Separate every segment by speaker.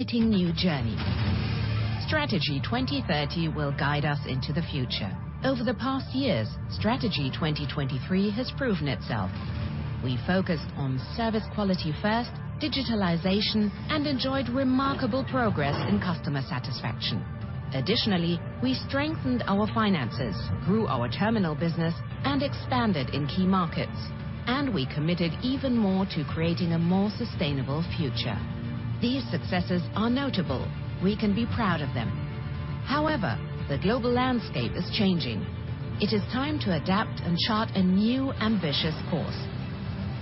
Speaker 1: New journey. Strategy 2030 will guide us into the future. Over the past years, Strategy 2023 has proven itself. We focused on service quality first, digitalization, and enjoyed remarkable progress in customer satisfaction. Additionally, we strengthened our finances, grew our terminal business, and expanded in key markets, and we committed even more to creating a more sustainable future. These successes are notable. We can be proud of them. However, the global landscape is changing. It is time to adapt and chart a new, ambitious course.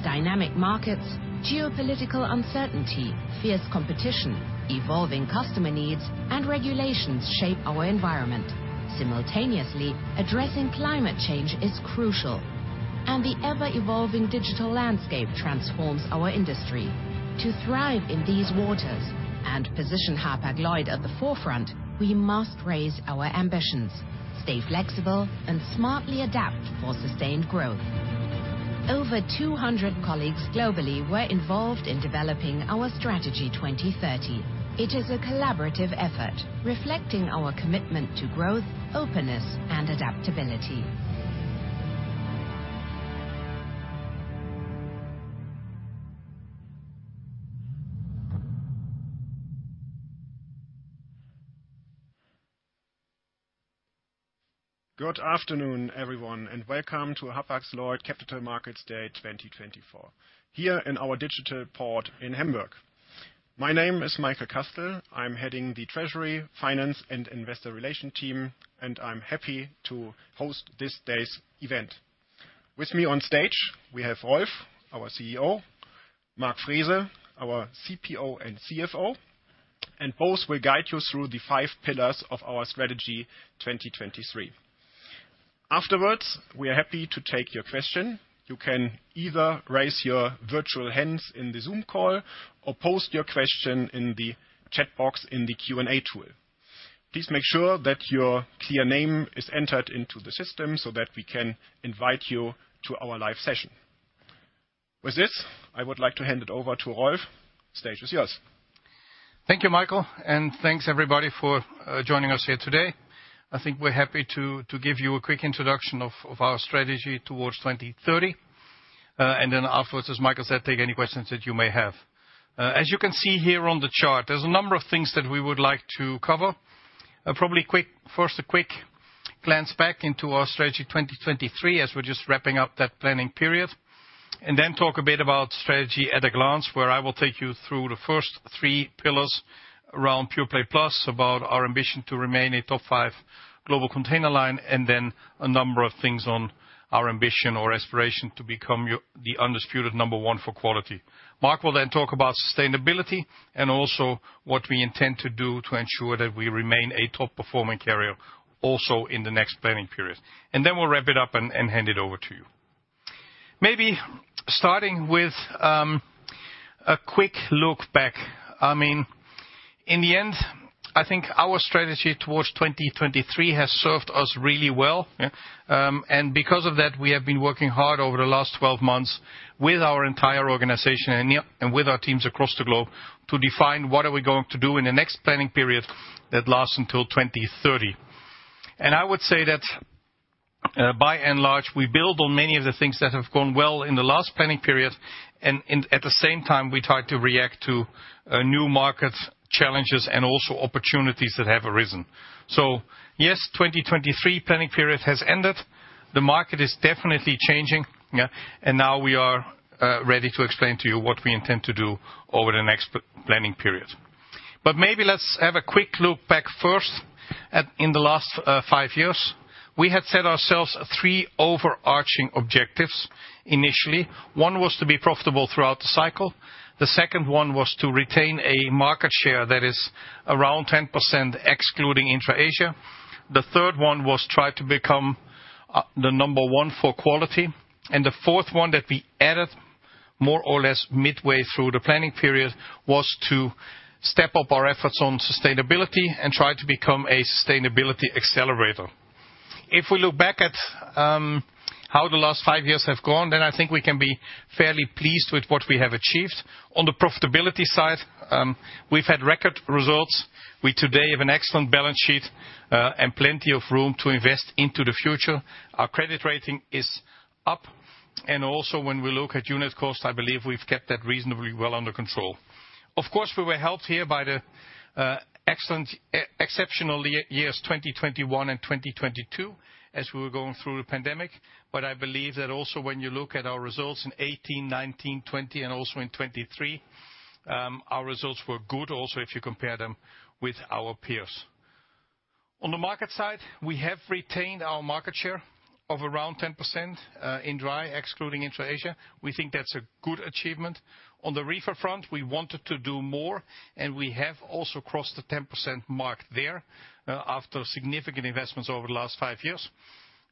Speaker 1: Dynamic markets, geopolitical uncertainty, fierce competition, evolving customer needs, and regulations shape our environment. Simultaneously, addressing climate change is crucial, and the ever-evolving digital landscape transforms our industry. To thrive in these waters and position Hapag-Lloyd at the forefront, we must raise our ambitions, stay flexible, and smartly adapt for sustained growth. Over 200 colleagues globally were involved in developing our Strategy 2030. It is a collaborative effort, reflecting our commitment to growth, openness, and adaptability.
Speaker 2: Good afternoon, everyone, and welcome to Hapag-Lloyd Capital Markets Day 2024, here in our digital port in Hamburg. My name is Michael Kastl. I'm heading the Treasury, Finance, and Investor Relations team, and I'm happy to host this day's event. With me on stage, we have Rolf, our CEO, Mark Frese, our CPO and CFO, and both will guide you through the five pillars of our Strategy 2023. Afterwards, we are happy to take your question. You can either raise your virtual hands in the Zoom call or post your question in the chat box in the Q&A tool. Please make sure that your real name is entered into the system, so that we can invite you to our live session. With this, I would like to hand it over to Rolf. Stage is yours.
Speaker 3: Thank you, Michael, and thanks, everybody, for joining us here today. I think we're happy to give you a quick introduction of our strategy towards 2030, and then afterwards, as Michael said, take any questions that you may have. As you can see here on the chart, there's a number of things that we would like to cover. Probably first, a quick glance back into our Strategy 2023, as we're just wrapping up that planning period, and then talk a bit about strategy at a glance, where I will take you through the first three pillars around Pure Play Plus, about our ambition to remain a top-five global container line, and then a number of things on our ambition or aspiration to become the undisputed number one for quality. Mark will then talk about sustainability and also what we intend to do to ensure that we remain a top-performing carrier, also in the next planning period. Then we'll wrap it up and hand it over to you. Maybe starting with a quick look back. I mean, in the end, I think our Strategy 2023 has served us really well, yeah. And because of that, we have been working hard over the last 12 months with our entire organization and with our teams across the globe, to define what we are going to do in the next planning period that lasts until 2030. I would say that by and large, we build on many of the things that have gone well in the last planning period, and at the same time, we try to react to new markets, challenges, and also opportunities that have arisen. So yes, 2023 planning period has ended. The market is definitely changing, yeah, and now we are ready to explain to you what we intend to do over the next planning period. But maybe let's have a quick look back first at in the last five years. We had set ourselves three overarching objectives initially. One was to be profitable throughout the cycle. The second one was to retain a market share that is around 10%, excluding intra-Asia. The third one was try to become, the number one for quality, and the fourth one that we added, more or less midway through the planning period, was to step up our efforts on sustainability and try to become a sustainability accelerator. If we look back at, how the last five years have gone, then I think we can be fairly pleased with what we have achieved. On the profitability side, we've had record results. We today have an excellent balance sheet, and plenty of room to invest into the future. Our credit rating is up, and also, when we look at unit cost, I believe we've kept that reasonably well under control. Of course, we were helped here by the excellent, exceptional years, 2021 and 2022, as we were going through the pandemic, but I believe that also when you look at our results in 2018, 2019, 2020, and also in 2023, our results were good, also, if you compare them with our peers. On the market side, we have retained our market share of around 10%, in dry, excluding intra-Asia. We think that's a good achievement. On the reefer front, we wanted to do more, and we have also crossed the 10% mark there, after significant investments over the last 5 years.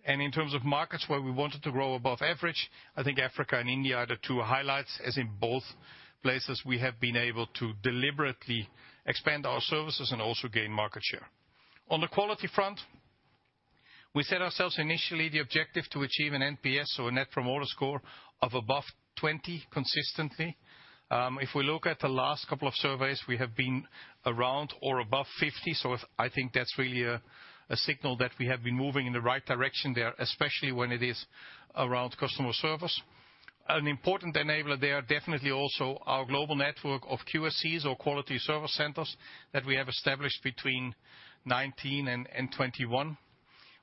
Speaker 3: In terms of markets where we wanted to grow above average, I think Africa and India are the 2 highlights, as in both places, we have been able to deliberately expand our services and also gain market share. On the quality front. We set ourselves initially the objective to achieve an NPS, or a Net Promoter Score, of above 20 consistently. If we look at the last couple of surveys, we have been around or above 50, so I think that's really a signal that we have been moving in the right direction there, especially when it is around customer service. An important enabler there, definitely also our global network of QSCs or Quality Service Centers that we have established between 2019 and 2021.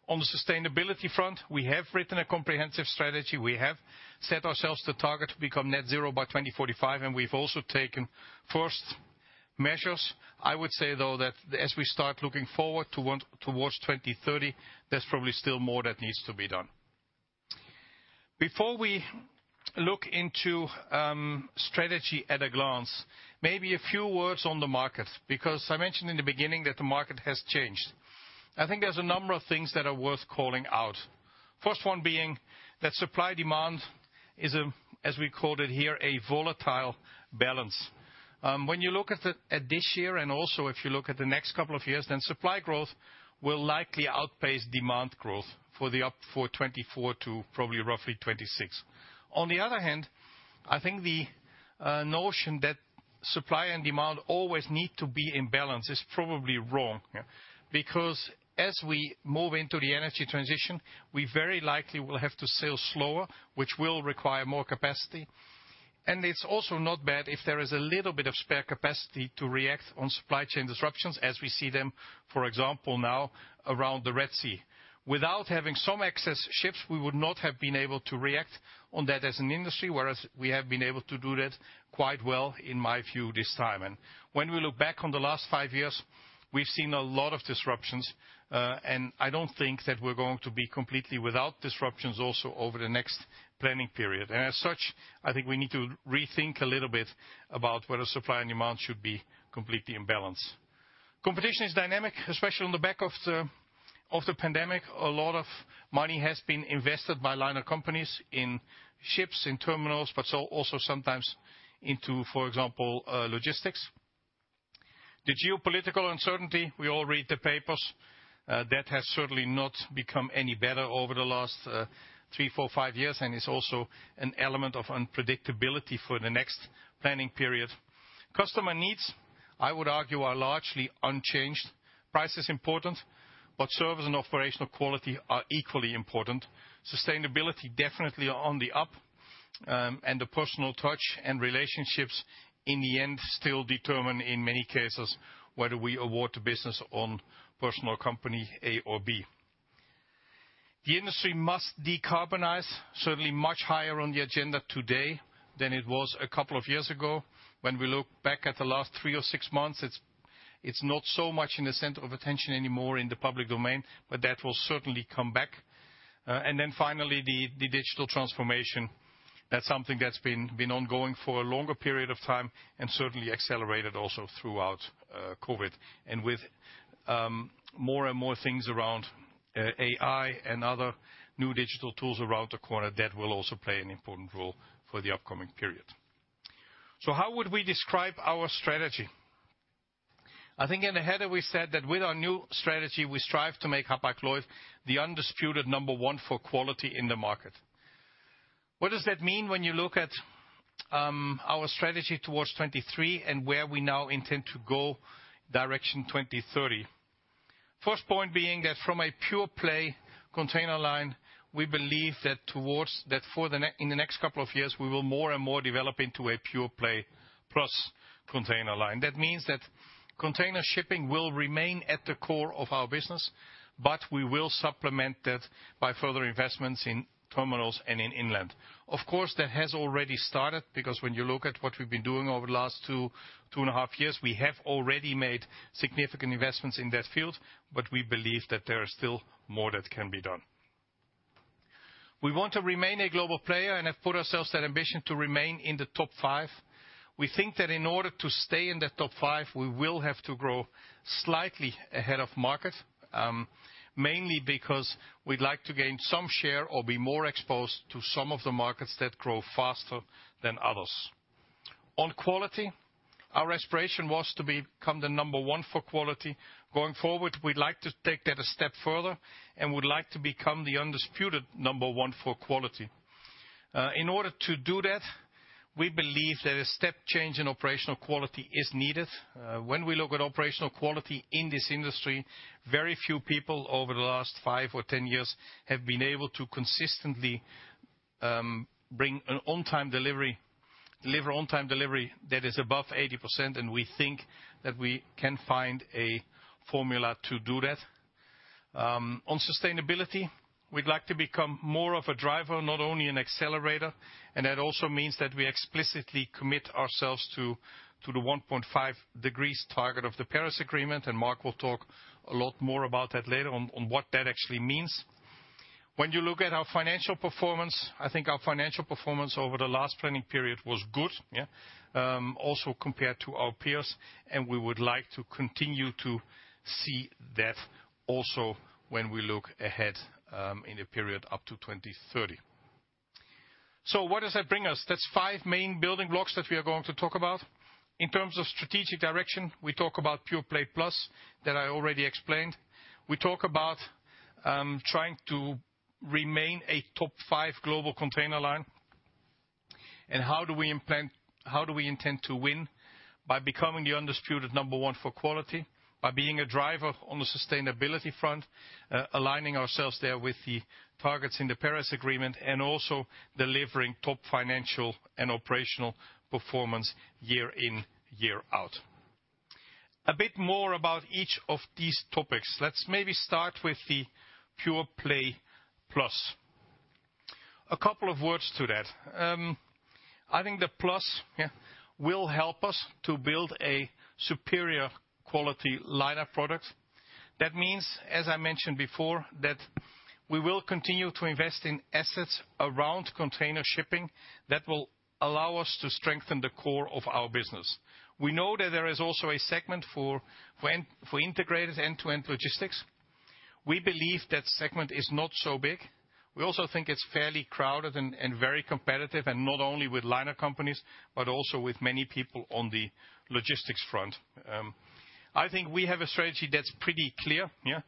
Speaker 3: On the sustainability front, we have written a comprehensive strategy. We have set ourselves the target to become Net Zero by 2045, and we've also taken first measures. I would say, though, that as we start looking forward towards 2030, there's probably still more that needs to be done. Before we look into strategy at a glance, maybe a few words on the market, because I mentioned in the beginning that the market has changed. I think there's a number of things that are worth calling out. First one being that supply-demand is, as we called it here, a volatile balance. When you look at the, at this year, and also if you look at the next couple of years, then supply growth will likely outpace demand growth for 2024 to probably roughly 2026. On the other hand, I think the notion that supply and demand always need to be in balance is probably wrong, because as we move into the energy transition, we very likely will have to sail slower, which will require more capacity. It's also not bad if there is a little bit of spare capacity to react on supply chain disruptions as we see them, for example, now around the Red Sea. Without having some excess ships, we would not have been able to react on that as an industry, whereas we have been able to do that quite well, in my view, this time. When we look back on the last five years, we've seen a lot of disruptions, and I don't think that we're going to be completely without disruptions also over the next planning period. As such, I think we need to rethink a little bit about whether supply and demand should be completely in balance. Competition is dynamic, especially on the back of the pandemic. A lot of money has been invested by liner companies in ships, in terminals, but so also sometimes into, for example, logistics. The geopolitical uncertainty, we all read the papers. That has certainly not become any better over the last three, four, five years, and is also an element of unpredictability for the next planning period. Customer needs, I would argue, are largely unchanged. Price is important, but service and operational quality are equally important. Sustainability, definitely on the up, and the personal touch and relationships, in the end, still determine, in many cases, whether we award the business on personal company A or B. The industry must decarbonize, certainly much higher on the agenda today than it was a couple of years ago. When we look back at the last three or six months, it's not so much in the center of attention anymore in the public domain, but that will certainly come back. Then finally, the digital transformation. That's something that's been ongoing for a longer period of time and certainly accelerated also throughout COVID. And with more and more things around AI and other new digital tools around the corner, that will also play an important role for the upcoming period. So how would we describe our strategy? I think in the header, we said that with our new strategy, we strive to make Hapag-Lloyd the undisputed number one for quality in the market. What does that mean when you look at our strategy towards 2023 and where we now intend to go direction 2030? First point being that from a pure play container line, we believe that in the next couple of years, we will more and more develop into a Pure Play Plus container line. That means that container shipping will remain at the core of our business, but we will supplement that by further investments in terminals and in inland. Of course, that has already started, because when you look at what we've been doing over the last 2, 2.5 years, we have already made significant investments in that field, but we believe that there are still more that can be done. We want to remain a global player and have put ourselves that ambition to remain in the top-five. We think that in order to stay in the top-five, we will have to grow slightly ahead of market, mainly because we'd like to gain some share or be more exposed to some of the markets that grow faster than others. On quality, our aspiration was to become the number one for quality. Going forward, we'd like to take that a step further and would like to become the undisputed number one for quality. In order to do that, we believe that a step change in operational quality is needed. When we look at operational quality in this industry, very few people over the last five or 10 years have been able to consistently bring an on-time delivery that is above 80%, and we think that we can find a formula to do that. On sustainability, we'd like to become more of a driver, not only an accelerator. And that also means that we explicitly commit ourselves to the 1.5 degrees target of the Paris Agreement, and Mark will talk a lot more about that later on, on what that actually means. When you look at our financial performance, I think our financial performance over the last planning period was good, yeah, also compared to our peers, and we would like to continue to see that also when we look ahead, in the period up to 2030. So what does that bring us? That's five main building blocks that we are going to talk about. In terms of strategic direction, we talk about Pure Play Plus, that I already explained. We talk about trying to remain a top-five global container line. How do we intend to win? By becoming the undisputed number one for quality, by being a driver on the sustainability front, aligning ourselves there with the targets in the Paris Agreement, and also delivering top financial and operational performance year-in, year-out. A bit more about each of these topics. Let's maybe start with the Pure Play Plus. A couple of words to that. I think the Plus, yeah, will help us to build a superior quality liner product. That means, as I mentioned before, that we will continue to invest in assets around container shipping that will allow us to strengthen the core of our business. We know that there is also a segment for integrated end-to-end logistics. We believe that segment is not so big. We also think it's fairly crowded and very competitive, and not only with liner companies, but also with many people on the logistics front. I think we have a strategy that's pretty clear, yeah.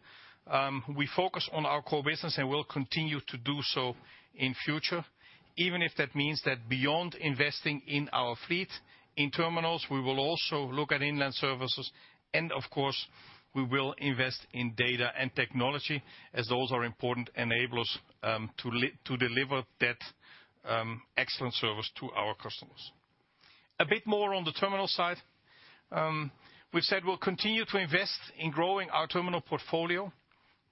Speaker 3: We focus on our core business, and we'll continue to do so in future, even if that means that beyond investing in our fleet, in terminals, we will also look at inland services, and of course, we will invest in data and technology, as those are important enablers to deliver that excellent service to our customers. A bit more on the terminal side. We've said we'll continue to invest in growing our terminal portfolio,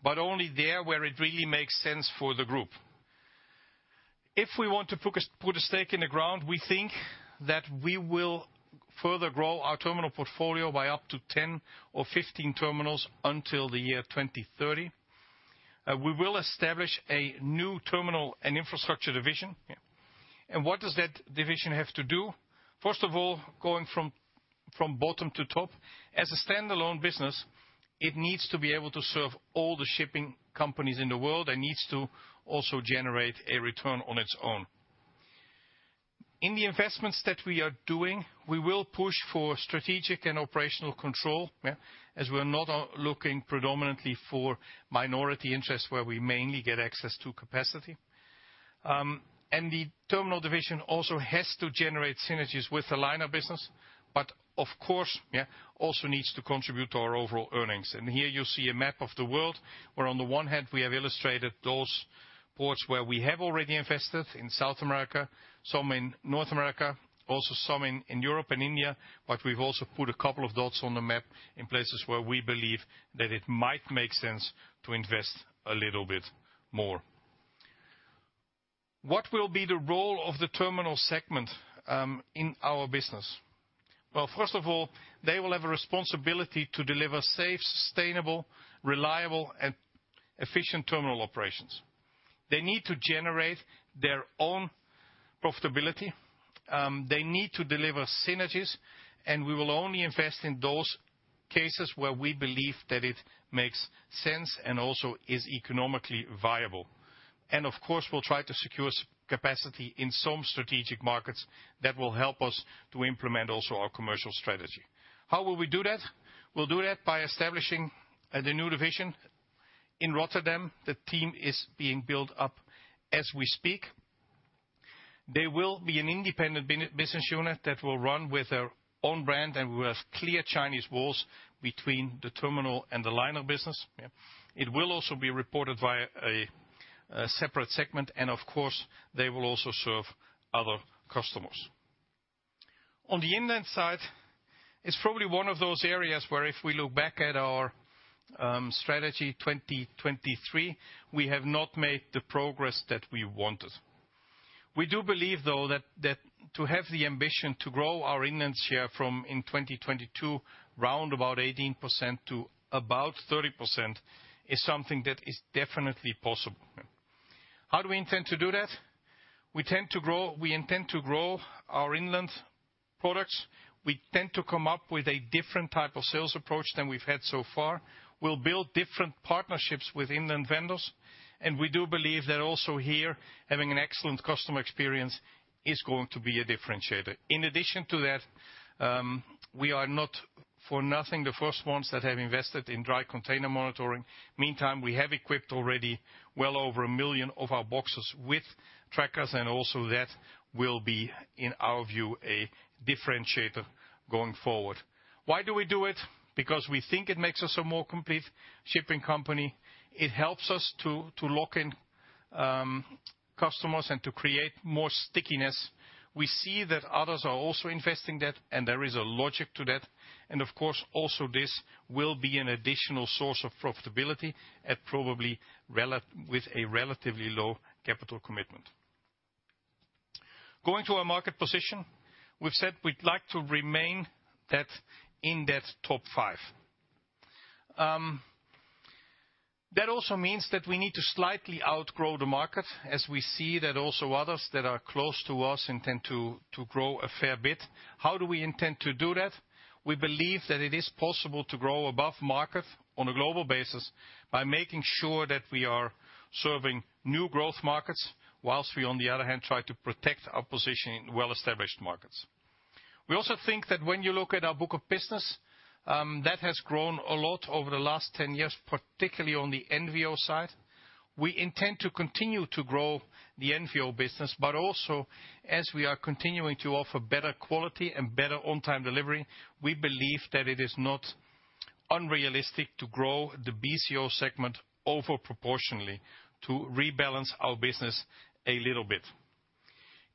Speaker 3: but only there where it really makes sense for the group. If we want to focus—put a stake in the ground, we think that we will further grow our terminal portfolio by up to 10 or 15 terminals until the year 2030. We will establish a new terminal and infrastructure division, yeah. And what does that division have to do? First of all, going from bottom to top, as a standalone business, it needs to be able to serve all the shipping companies in the world, and needs to also generate a return on its own. In the investments that we are doing, we will push for strategic and operational control, yeah, as we're not looking predominantly for minority interests, where we mainly get access to capacity. And the terminal division also has to generate synergies with the liner business, but of course, yeah, also needs to contribute to our overall earnings. Here you see a map of the world, where on the one hand, we have illustrated those ports where we have already invested, in South America, some in North America, also some in Europe and India, but we've also put a couple of dots on the map in places where we believe that it might make sense to invest a little bit more. What will be the role of the terminal segment in our business? Well, first of all, they will have a responsibility to deliver safe, sustainable, reliable, and efficient terminal operations. They need to generate their own profitability, they need to deliver synergies, and we will only invest in those cases where we believe that it makes sense and also is economically viable. Of course, we'll try to secure capacity in some strategic markets that will help us to implement also our commercial strategy. How will we do that? We'll do that by establishing the new division in Rotterdam. The team is being built up as we speak. They will be an independent business unit that will run with their own brand, and we have clear Chinese walls between the terminal and the liner business, yeah. It will also be reported via a separate segment, and of course, they will also serve other customers. On the inland side, it's probably one of those areas where if we look back at our Strategy 2023, we have not made the progress that we wanted. We do believe, though, that to have the ambition to grow our inland share from in 2022, round about 18% to about 30%, is something that is definitely possible. How do we intend to do that? We intend to grow our inland products. We intend to come up with a different type of sales approach than we've had so far. We'll build different partnerships with inland vendors, and we do believe that also here, having an excellent customer experience is going to be a differentiator. In addition to that, we are not for nothing, the first ones that have invested in dry container monitoring. Meantime, we have equipped already well over 1 million of our boxes with trackers, and also that will be, in our view, a differentiator going forward. Why do we do it? Because we think it makes us a more complete shipping company. It helps us to, to lock in, customers and to create more stickiness. We see that others are also investing that, and there is a logic to that. And of course, also this will be an additional source of profitability at probably a relatively low capital commitment. Going to our market position, we've said we'd like to remain that, in that top-five. That also means that we need to slightly outgrow the market, as we see that also others that are close to us intend to, to grow a fair bit. How do we intend to do that? We believe that it is possible to grow above market on a global basis by making sure that we are serving new growth markets, while we, on the other hand, try to protect our position in well-established markets. We also think that when you look at our book of business, that has grown a lot over the last 10 years, particularly on the NVO side. We intend to continue to grow the NVO business, but also, as we are continuing to offer better quality and better on-time delivery, we believe that it is not unrealistic to grow the BCO segment over proportionally to rebalance our business a little bit.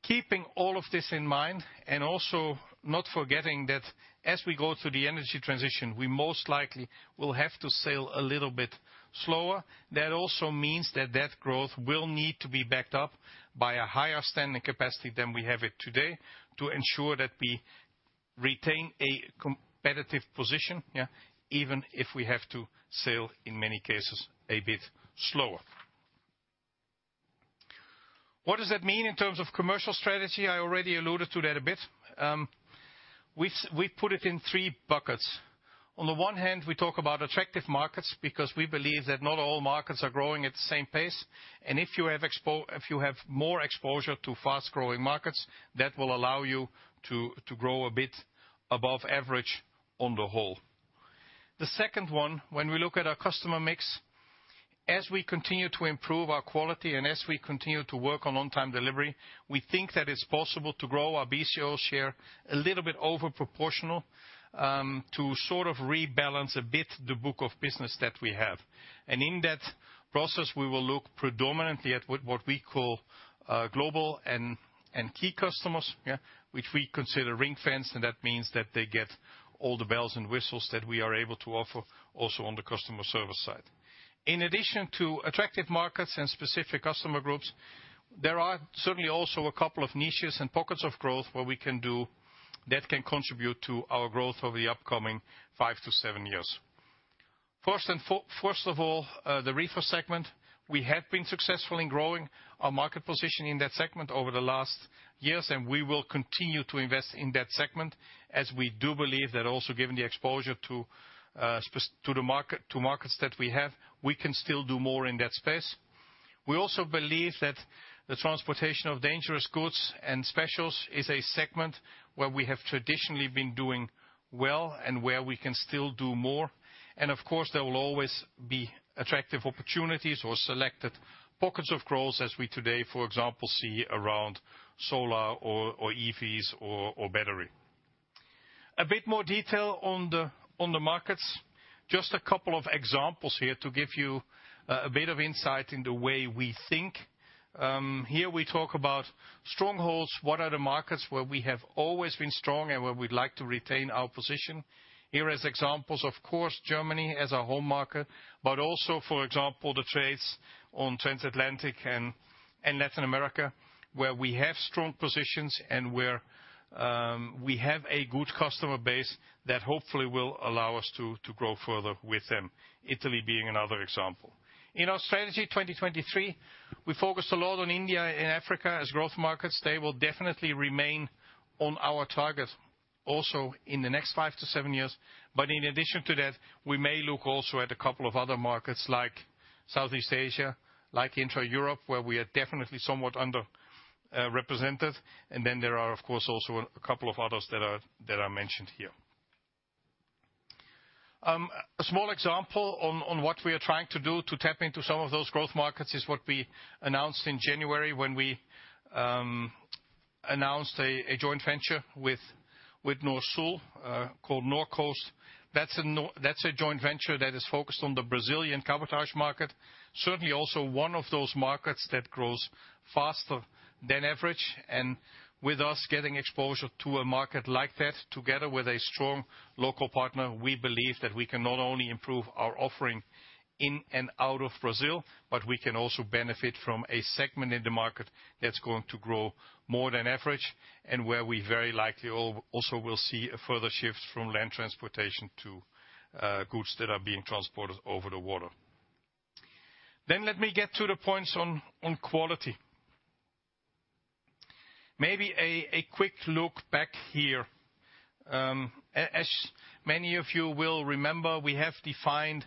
Speaker 3: Keeping all of this in mind, and also not forgetting that as we go through the energy transition, we most likely will have to sail a little bit slower. That also means that that growth will need to be backed up by a higher standard capacity than we have it today to ensure that we retain a competitive position, yeah, even if we have to sail, in many cases, a bit slower. What does that mean in terms of commercial strategy? I already alluded to that a bit. We put it in three buckets. On the one hand, we talk about attractive markets, because we believe that not all markets are growing at the same pace, and if you have more exposure to fast-growing markets, that will allow you to grow a bit above average on the whole. The second one, when we look at our customer mix, as we continue to improve our quality, and as we continue to work on on-time delivery, we think that it's possible to grow our BCO share a little bit over proportional to sort of rebalance a bit the book of business that we have. In that process, we will look predominantly at what we call global and key customers, yeah, which we consider ring-fence, and that means that they get all the bells and whistles that we are able to offer also on the customer service side. In addition to attractive markets and specific customer groups, there are certainly also a couple of niches and pockets of growth where we can do that can contribute to our growth over the upcoming five to seven years. First of all, the reefer segment, we have been successful in growing our market position in that segment over the last years, and we will continue to invest in that segment, as we do believe that also given the exposure to specific to the markets that we have, we can still do more in that space. We also believe that the transportation of dangerous goods and specials is a segment where we have traditionally been doing well, and where we can still do more. Of course, there will always be attractive opportunities or selected pockets of growth, as we today, for example, see around solar or EVs or battery. A bit more detail on the markets. Just a couple of examples here to give you a bit of insight in the way we think. Here we talk about strongholds. What are the markets where we have always been strong and where we'd like to retain our position? Here is examples, of course, Germany as our home market, but also, for example, the trades on Transatlantic and Latin America, where we have strong positions and where we have a good customer base that hopefully will allow us to grow further with them, Italy being another example. In our Strategy 2023, we focused a lot on India and Africa as growth markets. They will definitely remain on our target also in the next 5-7 years. But in addition to that, we may look also at a couple of other markets like Southeast Asia, like Intra-Europe, where we are definitely somewhat underrepresented. And then there are, of course, also a couple of others that are, that I mentioned here. A small example on what we are trying to do to tap into some of those growth markets is what we announced in January, when we announced a joint venture with Norsul, called Norcoast. That's a joint venture that is focused on the Brazilian cabotage market. Certainly, also one of those markets that grows faster than average, and with us getting exposure to a market like that, together with a strong local partner, we believe that we can not only improve our offering in and out of Brazil, but we can also benefit from a segment in the market that's going to grow more than average, and where we very likely also will see a further shift from land transportation to goods that are being transported over the water. Then let me get to the points on quality. Maybe a quick look back here. As many of you will remember, we have defined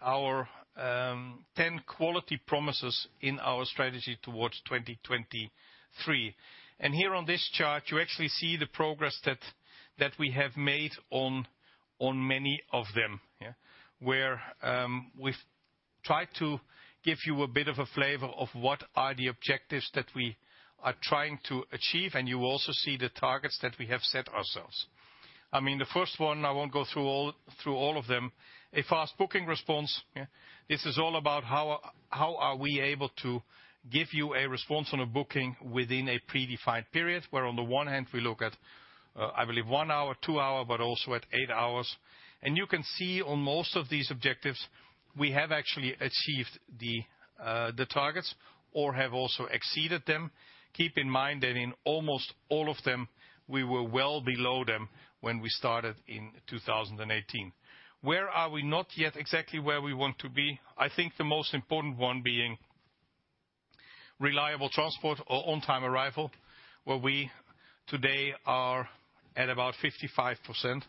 Speaker 3: our 10 quality promises in our strategy towards 2023. And here on this chart, you actually see the progress that we have made on many of them, yeah. Where we've tried to give you a bit of a flavor of what are the objectives that we are trying to achieve, and you also see the targets that we have set ourselves. I mean, the first one, I won't go through all of them. A fast booking response, yeah, this is all about how, how are we able to give you a response on a booking within a predefined period, where on the one hand, we look at, I believe, one hour, two hour, but also at eight hours. And you can see on most of these objectives, we have actually achieved the, the targets or have also exceeded them. Keep in mind that in almost all of them, we were well below them when we started in 2018. Where are we not yet exactly where we want to be? I think the most important one being reliable transport or on-time arrival, where we today are at about 55%.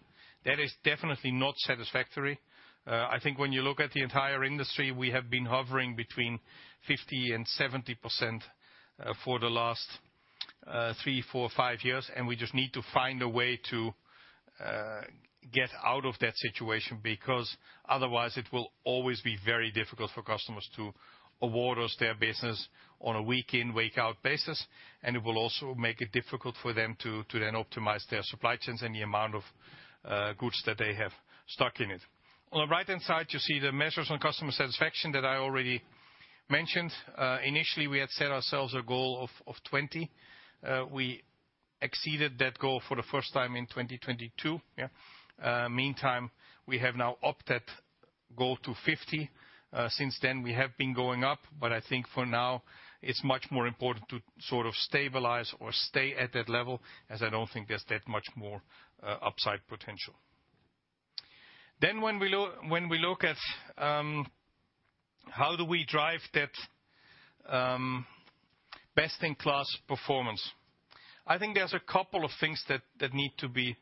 Speaker 3: That is definitely not satisfactory. I think when you look at the entire industry, we have been hovering between 50% and 70%, for the last 3, 4, 5 years, and we just need to find a way to get out of that situation, because otherwise it will always be very difficult for customers to award us their business on a week in, week out basis, and it will also make it difficult for them to then optimize their supply chains and the amount of goods that they have stuck in it. On the right-hand side, you see the measures on customer satisfaction that I already mentioned. Initially, we had set ourselves a goal of 20. We exceeded that goal for the first time in 2022, yeah. Meantime, we have now upped that goal to 50. Since then, we have been going up, but I think for now, it's much more important to sort of stabilize or stay at that level, as I don't think there's that much more upside potential. Then when we look at how do we drive that best-in-class performance? I think there's a couple of things that need to be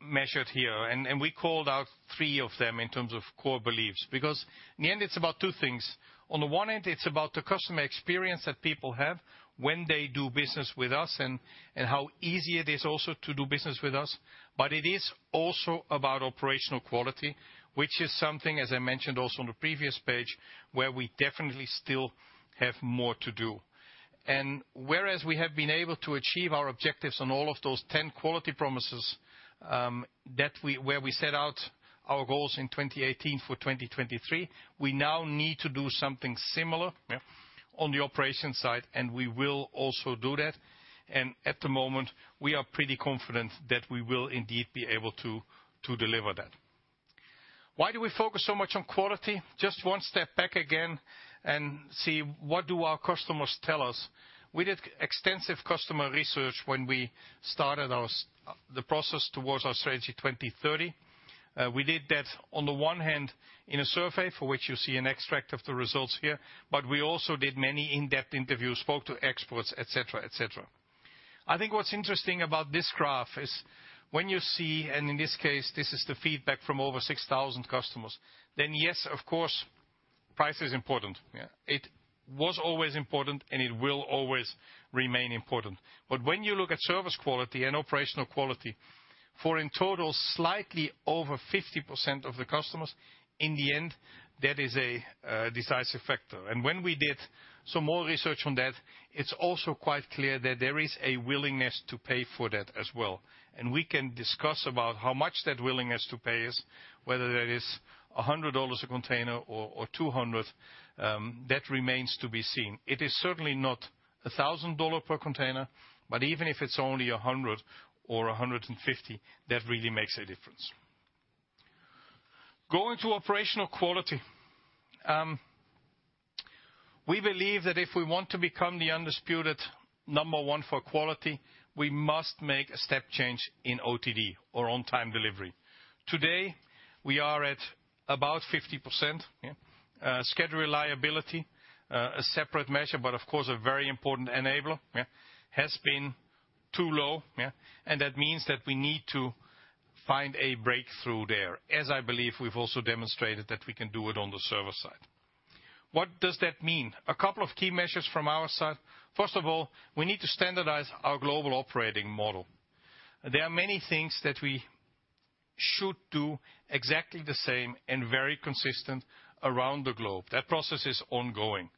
Speaker 3: measured here, and we called out three of them in terms of core beliefs. Because in the end, it's about two things. On the one hand, it's about the customer experience that people have when they do business with us and how easy it is also to do business with us. It is also about operational quality, which is something, as I mentioned also on the previous page, where we definitely still have more to do. Whereas we have been able to achieve our objectives on all of those 10 quality promises, where we set out our goals in 2018 for 2023, we now need to do something similar, yeah, on the operation side, and we will also do that. At the moment, we are pretty confident that we will indeed be able to deliver that. Why do we focus so much on quality? Just one step back again and see what do our customers tell us. We did extensive customer research when we started the process towards our Strategy 2030. We did that on the one hand, in a survey, for which you see an extract of the results here, but we also did many in-depth interviews, spoke to experts, et cetera, et cetera. I think what's interesting about this graph is when you see, and in this case, this is the feedback from over 6,000 customers, then yes, of course, price is important. Yeah. It was always important, and it will always remain important. But when you look at service quality and operational quality, for in total, slightly over 50% of the customers, in the end, that is a decisive factor. When we did some more research on that, it's also quite clear that there is a willingness to pay for that as well. And we can discuss about how much that willingness to pay is, whether that is $100 a container or, or 200, that remains to be seen. It is certainly not a $1,000 per container, but even if it's only a 100 or a 150, that really makes a difference. Going to operational quality. We believe that if we want to become the undisputed number one for quality, we must make a step change in OTD or On-Time Delivery. Today, we are at about 50%, yeah. Schedule reliability, a separate measure, but of course, a very important enabler, yeah, has been too low, yeah, and that means that we need to find a breakthrough there, as I believe we've also demonstrated that we can do it on the server side. What does that mean? A couple of key measures from our side. First of all, we need to standardize our global operating model. There are many things that we should do exactly the same and very consistent around the globe. That process is ongoing.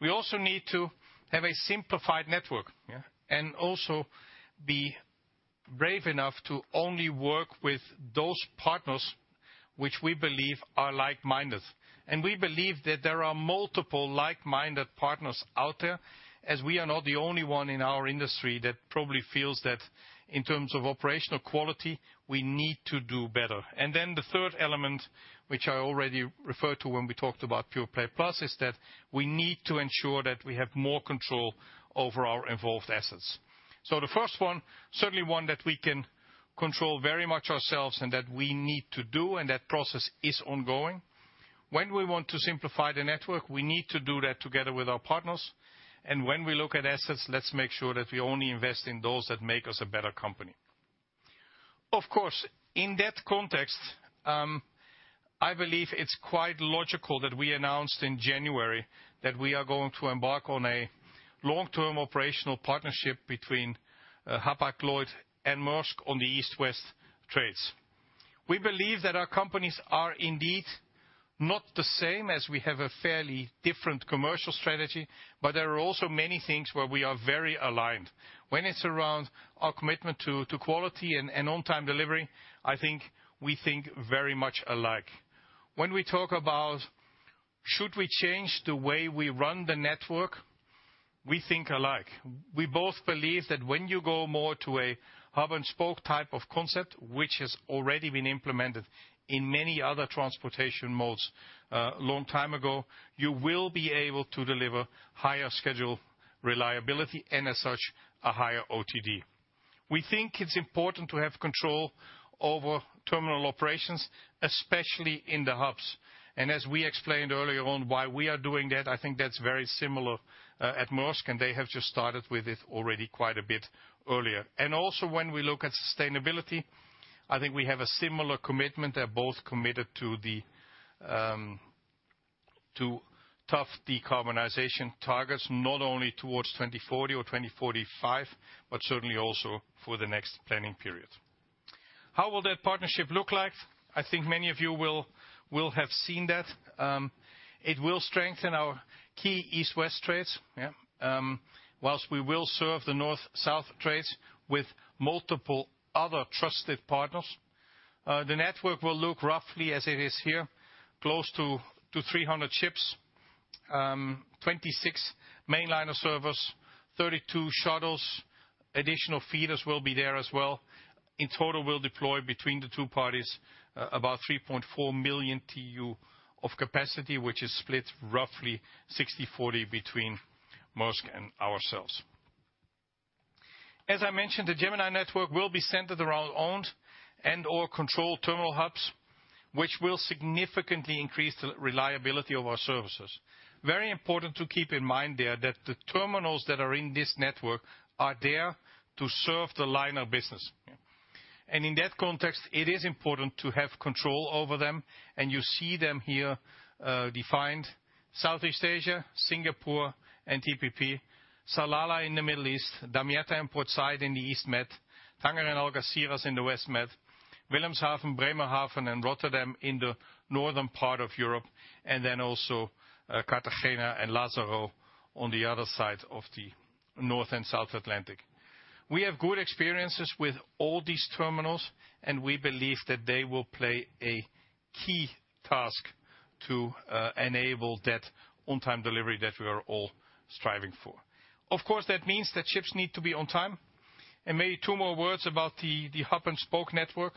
Speaker 3: We also need to have a simplified network, yeah, and also be brave enough to only work with those partners which we believe are like-minded. And we believe that there are multiple like-minded partners out there, as we are not the only one in our industry that probably feels that in terms of operational quality, we need to do better. And then the third element, which I already referred to when we talked about Pure Play Plus, is that we need to ensure that we have more control over our involved assets. So the first one, certainly one that we can control very much ourselves and that we need to do, and that process is ongoing. When we want to simplify the network, we need to do that together with our partners, and when we look at assets, let's make sure that we only invest in those that make us a better company. Of course, in that context, I believe it's quite logical that we announced in January that we are going to embark on a long-term operational partnership between Hapag-Lloyd and Maersk on the East-West trades. We believe that our companies are indeed not the same as we have a fairly different commercial strategy, but there are also many things where we are very aligned. When it's around our commitment to, to quality and, and on-time delivery, I think we think very much alike. When we talk about should we change the way we run the network, we think alike. We both believe that when you go more to a hub-and-spoke type of concept, which has already been implemented in many other transportation modes, long time ago, you will be able to deliver higher schedule reliability, and as such, a higher OTD. We think it's important to have control over terminal operations, especially in the hubs. As we explained earlier on why we are doing that, I think that's very similar at Maersk, and they have just started with it already quite a bit earlier. Also, when we look at sustainability, I think we have a similar commitment. They're both committed to the to tough decarbonization targets, not only toward 2040 or 2045, but certainly also for the next planning period. How will that partnership look like? I think many of you will have seen that. It will strengthen our key east-west trades, yeah. While we will serve the north-south trades with multiple other trusted partners, the network will look roughly as it is here, close to 300 ships, 26 mainline services, 32 shuttles, additional feeders will be there as well. In total, we'll deploy between the two parties about 3.4 million TEU of capacity, which is split roughly 60/40 between Maersk and ourselves. As I mentioned, the Gemini network will be centered around owned and/or controlled terminal hubs, which will significantly increase the reliability of our services. Very important to keep in mind there, that the terminals that are in this network are there to serve the liner business. And in that context, it is important to have control over them, and you see them here, defined: Southeast Asia, Singapore, and TPP, Salalah in the Middle East, Damietta and Port Said in the East Med, Tanger and Algeciras in the West Med, Wilhelmshaven, Bremerhaven, and Rotterdam in the northern part of Europe, and then also, Cartagena and Lazaro on the other side of the North and South Atlantic. We have good experiences with all these terminals, and we believe that they will play a key task to, enable that on-time delivery that we are all striving for. Of course, that means that ships need to be on time. Maybe two more words about the hub-and-spoke network,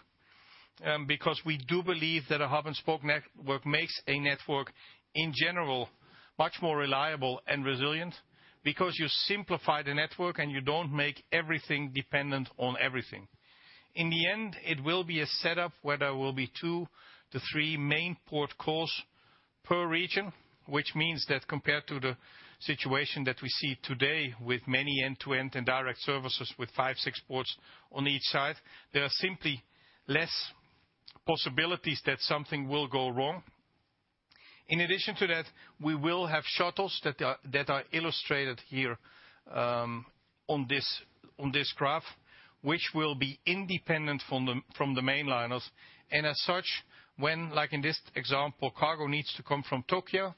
Speaker 3: because we do believe that a hub-and-spoke network, in general, makes a network much more reliable and resilient because you simplify the network, and you don't make everything dependent on everything. In the end, it will be a setup where there will be two to three main port calls per region, which means that compared to the situation that we see today with many end-to-end and direct services, with five, six ports on each side, there are simply less possibilities that something will go wrong. In addition to that, we will have shuttles that are illustrated here on this graph, which will be independent from the mainliners, and as such, when, like in this example, cargo needs to come from Tokyo,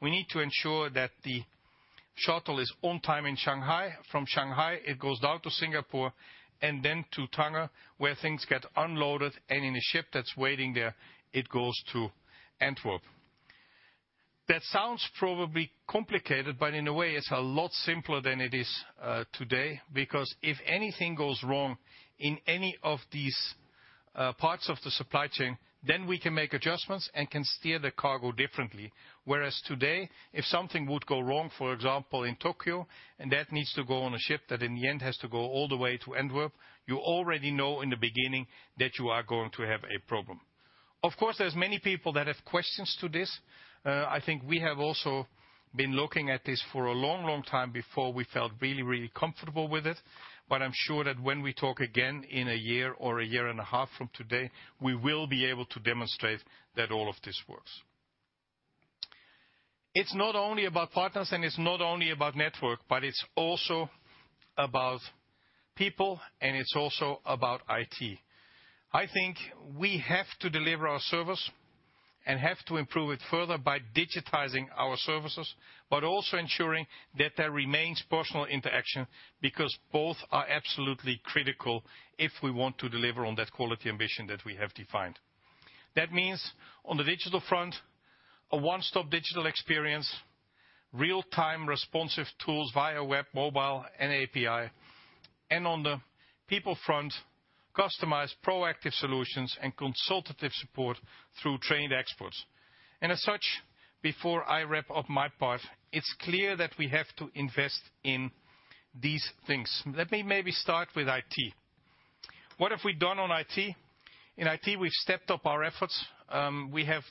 Speaker 3: we need to ensure that the shuttle is on time in Shanghai. From Shanghai, it goes down to Singapore and then to Tangier, where things get unloaded, and in a ship that's waiting there, it goes to Antwerp. That sounds probably complicated, but in a way, it's a lot simpler than it is today, because if anything goes wrong in any of these parts of the supply chain, then we can make adjustments and can steer the cargo differently. Whereas today, if something would go wrong, for example, in Tokyo, and that needs to go on a ship, that in the end, has to go all the way to Antwerp, you already know in the beginning that you are going to have a problem. Of course, there's many people that have questions to this. I think we have also been looking at this for a long, long time before we felt really, really comfortable with it. But I'm sure that when we talk again in a year or a year and a half from today, we will be able to demonstrate that all of this works. It's not only about partners, and it's not only about network, but it's also about people, and it's also about IT. I think we have to deliver our service and have to improve it further by digitizing our services, but also ensuring that there remains personal interaction, because both are absolutely critical if we want to deliver on that quality ambition that we have defined. That means on the digital front, a one-stop digital experience, real-time responsive tools via web, mobile, and API. And on the people front, customized proactive solutions and consultative support through trained experts. And as such, before I wrap up my part, it's clear that we have to invest in these things. Let me maybe start with IT. What have we done on IT? In IT, we've stepped up our efforts. We have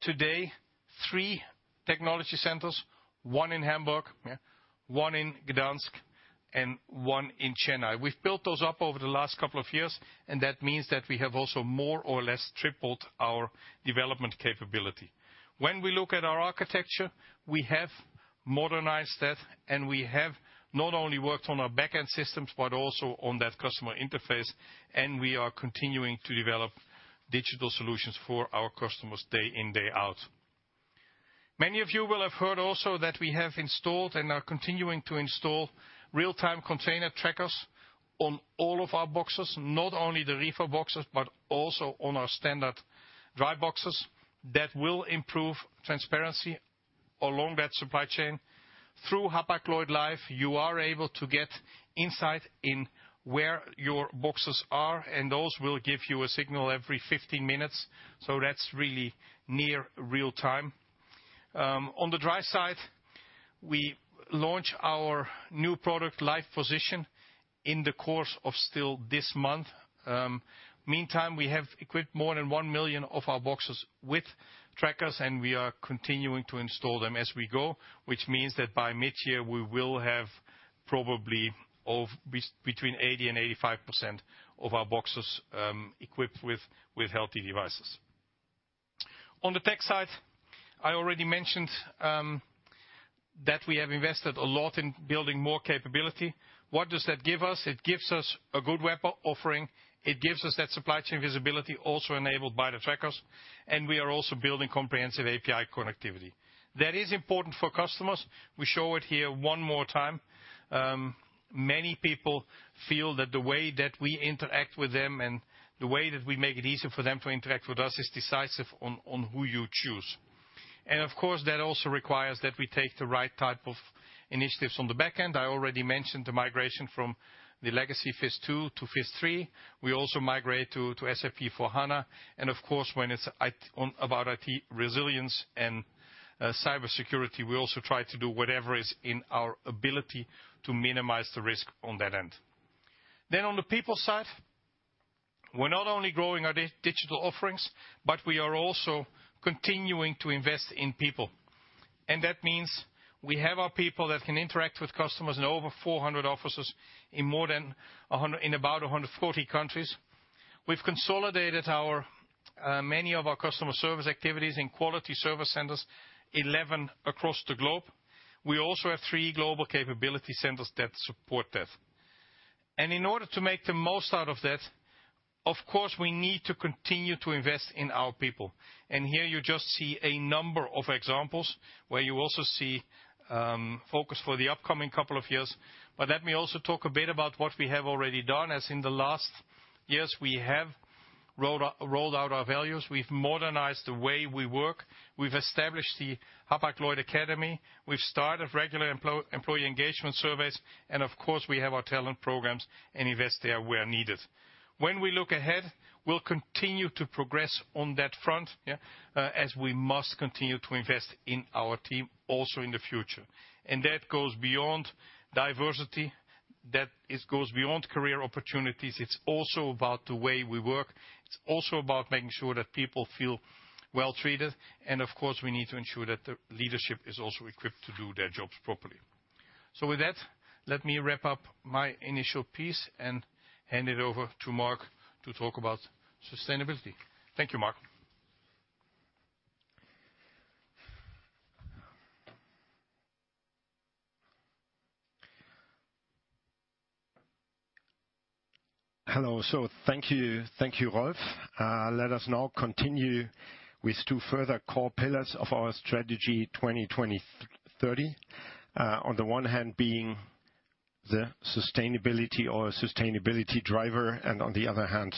Speaker 3: today three technology centers, one in Hamburg, yeah, one in Gdansk, and one in Chennai. We've built those up over the last couple of years, and that means that we have also more or less tripled our development capability. When we look at our architecture, we have modernized that, and we have not only worked on our back-end systems, but also on that customer interface, and we are continuing to develop digital solutions for our customers day in, day out. Many of you will have heard also that we have installed and are continuing to install real-time container trackers on all of our boxes, not only the reefer boxes, but also on our standard dry boxes. That will improve transparency along that supply chain. Through Hapag-Lloyd Live, you are able to get insight in where your boxes are, and those will give you a signal every 15 minutes, so that's really near real time. On the dry side, we launch our new product Live Position in the course of still this month. Meantime, we have equipped more than 1 million of our boxes with trackers, and we are continuing to install them as we go, which means that by mid-year, we will have probably between 80% and 85% of our boxes equipped with healthy devices. On the tech side, I already mentioned that we have invested a lot in building more capability. What does that give us? It gives us a good web offering. It gives us that supply chain visibility also enabled by the trackers, and we are also building comprehensive API connectivity. That is important for customers. We show it here one more time. Many people feel that the way that we interact with them, and the way that we make it easier for them to interact with us, is decisive on who you choose. And of course, that also requires that we take the right type of initiatives on the back end. I already mentioned the migration from the legacy FIS2 to FIS3. We also migrate to SAP S/4HANA, and of course, when it's on IT resilience and cybersecurity, we also try to do whatever is in our ability to minimize the risk on that end. Then on the people side, we're not only growing our digital offerings, but we are also continuing to invest in people. And that means we have our people that can interact with customers in over 400 offices in more than a hundred... in about 140 countries. We've consolidated our many of our customer service activities in quality service centers, 11 across the globe. We also have three global capability centers that support that. In order to make the most out of that, of course, we need to continue to invest in our people. Here you just see a number of examples where you also see focus for the upcoming couple of years. But let me also talk a bit about what we have already done, as in the last years, we have rolled out our values. We've modernized the way we work. We've established the Hapag-Lloyd Academy. We've started regular employee engagement surveys, and of course, we have our talent programs and invest there where needed. When we look ahead, we'll continue to progress on that front, yeah, as we must continue to invest in our team, also in the future. And that goes beyond diversity, that it goes beyond career opportunities. It's also about the way we work. It's also about making sure that people feel well treated, and of course, we need to ensure that the leadership is also equipped to do their jobs properly. So with that, let me wrap up my initial piece and hand it over to Mark to talk about sustainability. Thank you, Mark.
Speaker 4: Hello, so thank you. Thank you, Rolf. Let us now continue with two further core pillars of our strategy, 2030. On the one hand, being the sustainability or sustainability driver and on the other hand,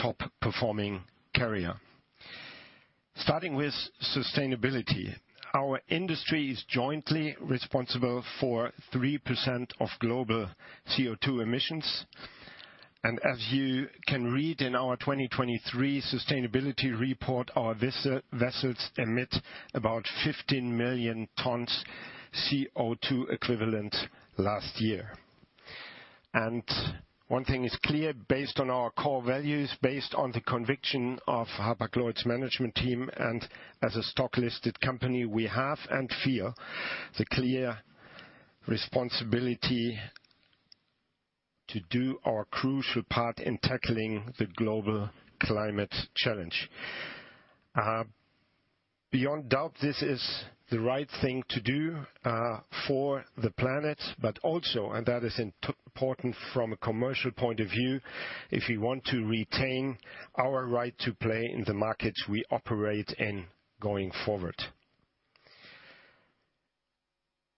Speaker 4: top performing carrier. Starting with sustainability, our industry is jointly responsible for 3% of global CO2 emissions, and as you can read in our 2023 sustainability report, our vessels emit about 15 million tons CO2 equivalent last year. And one thing is clear, based on our core values, based on the conviction of Hapag-Lloyd's management team, and as a stock-listed company, we have and feel the clear responsibility to do our crucial part in tackling the global climate challenge. Beyond doubt, this is the right thing to do, for the planet, but also, and that is important from a commercial point of view, if we want to retain our right to play in the markets we operate in going forward.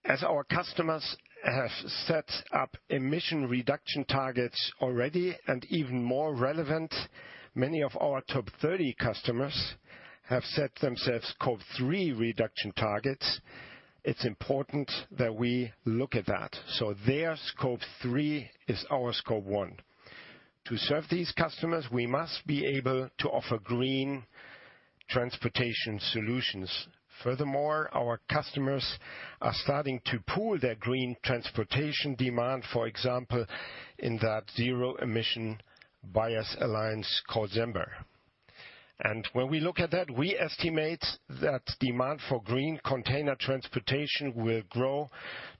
Speaker 4: As our customers have set up emission reduction targets already, and even more relevant, many of our top 30 customers have set themselves Scope 3 reduction targets. It's important that we look at that, so their Scope 3 is our Scope 1. To serve these customers, we must be able to offer green transportation solutions. Furthermore, our customers are starting to pool their green transportation demand, for example, in that zero emission buyers alliance called ZEMBA. When we look at that, we estimate that demand for green container transportation will grow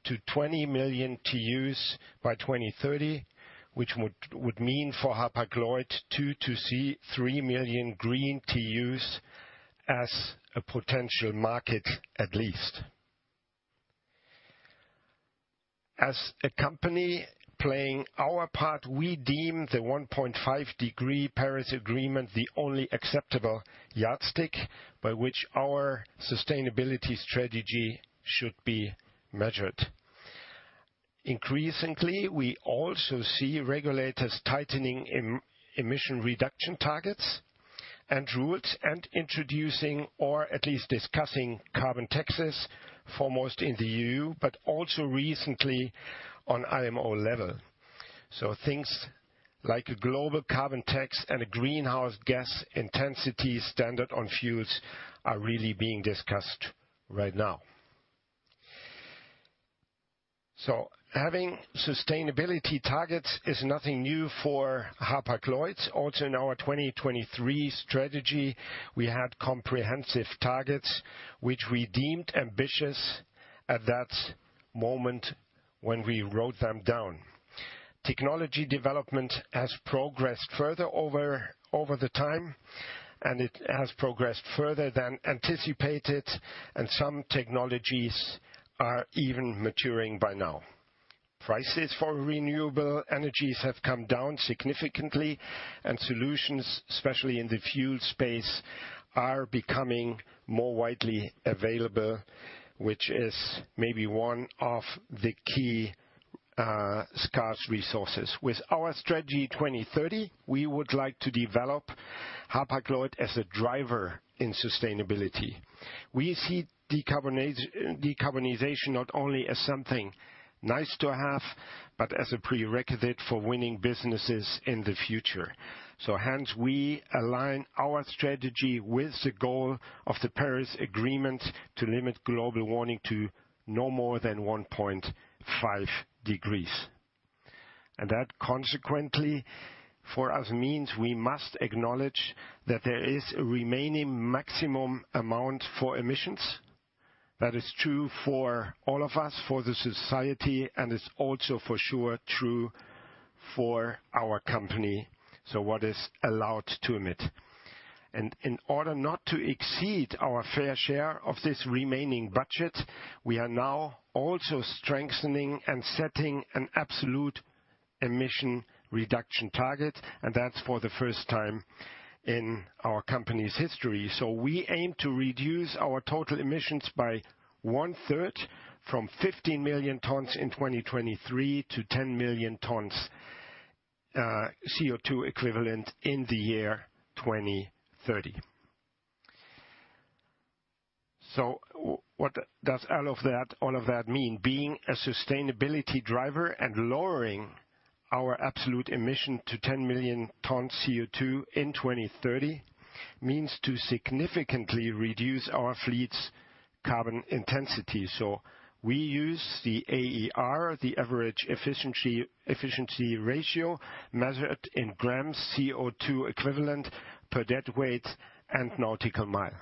Speaker 4: to 20 million TEUs by 2030, which would mean for Hapag-Lloyd 2-3 million green TEUs as a potential market, at least. As a company playing our part, we deem the 1.5-degree Paris Agreement the only acceptable yardstick by which our sustainability strategy should be measured. Increasingly, we also see regulators tightening emission reduction targets and rules, and introducing or at least discussing carbon taxes, foremost in the EU, but also recently on IMO level. So things like a global carbon tax and a greenhouse gas intensity standard on fuels are really being discussed right now. So having sustainability targets is nothing new for Hapag-Lloyd. Also, in our 2023 strategy, we had comprehensive targets, which we deemed ambitious at that moment when we wrote them down. Technology development has progressed further over the time, and it has progressed further than anticipated, and some technologies are even maturing by now. Prices for renewable energies have come down significantly, and solutions, especially in the fuel space, are becoming more widely available, which is maybe one of the key scarce resources. With our Strategy 2030, we would like to develop Hapag-Lloyd as a driver in sustainability. We see decarbonization not only as something nice to have, but as a prerequisite for winning businesses in the future. So hence, we align our strategy with the goal of the Paris Agreement to limit global warming to no more than 1.5 degrees. That consequently, for us, means we must acknowledge that there is a remaining maximum amount for emissions. That is true for all of us, for the society, and it's also for sure true for our company. So what is allowed to emit? And in order not to exceed our fair share of this remaining budget, we are now also strengthening and setting an absolute emission reduction target, and that's for the first time in our company's history. So we aim to reduce our total emissions by one third, from 15 million tons in 2023 to 10 million tons, CO2 equivalent in the year 2030. So what does all of that, all of that mean? Being a sustainability driver and lowering our absolute emission to 10 million tons CO2 in 2030 means to significantly reduce our fleet's carbon intensity. So we use the AER, the Average Efficiency, Efficiency Ratio, measured in grams CO2 equivalent per deadweight and nautical mile.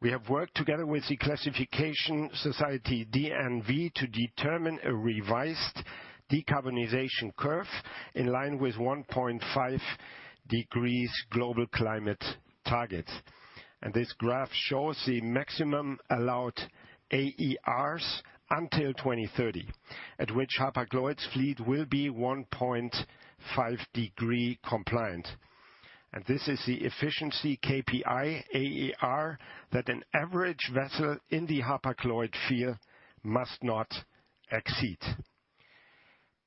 Speaker 4: We have worked together with the classification society DNV, to determine a revised decarbonization curve in line with 1.5 degrees global climate target. And this graph shows the maximum allowed AERs until 2030, at which Hapag-Lloyd's fleet will be 1.5 degree compliant. And this is the efficiency KPI, AER, that an average vessel in the Hapag-Lloyd fleet must not exceed.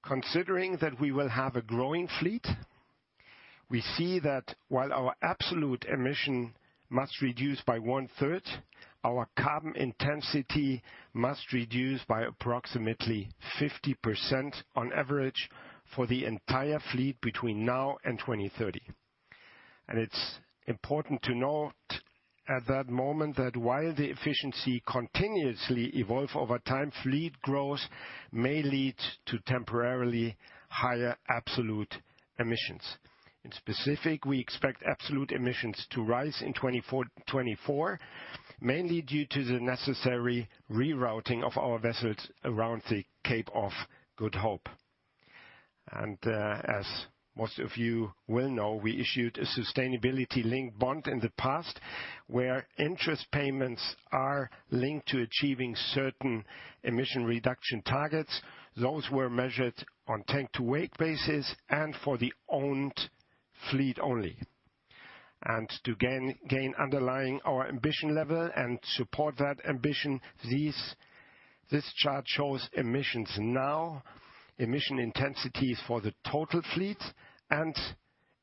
Speaker 4: Considering that we will have a growing fleet, we see that while our absolute emission must reduce by one third, our carbon intensity must reduce by approximately 50% on average for the entire fleet between now and 2030. And it's important to note at that moment that while the efficiency continuously evolve over time, fleet growth may lead to temporarily higher absolute emissions. Specifically, we expect absolute emissions to rise in 2024, mainly due to the necessary rerouting of our vessels around the Cape of Good Hope. As most of you will know, we issued a sustainability-linked bond in the past, where interest payments are linked to achieving certain emission reduction targets. Those were measured on a well-to-wake basis and for the owned fleet only. To gain underlying our ambition level and support that ambition, this chart shows emissions now, emission intensities for the total fleet, and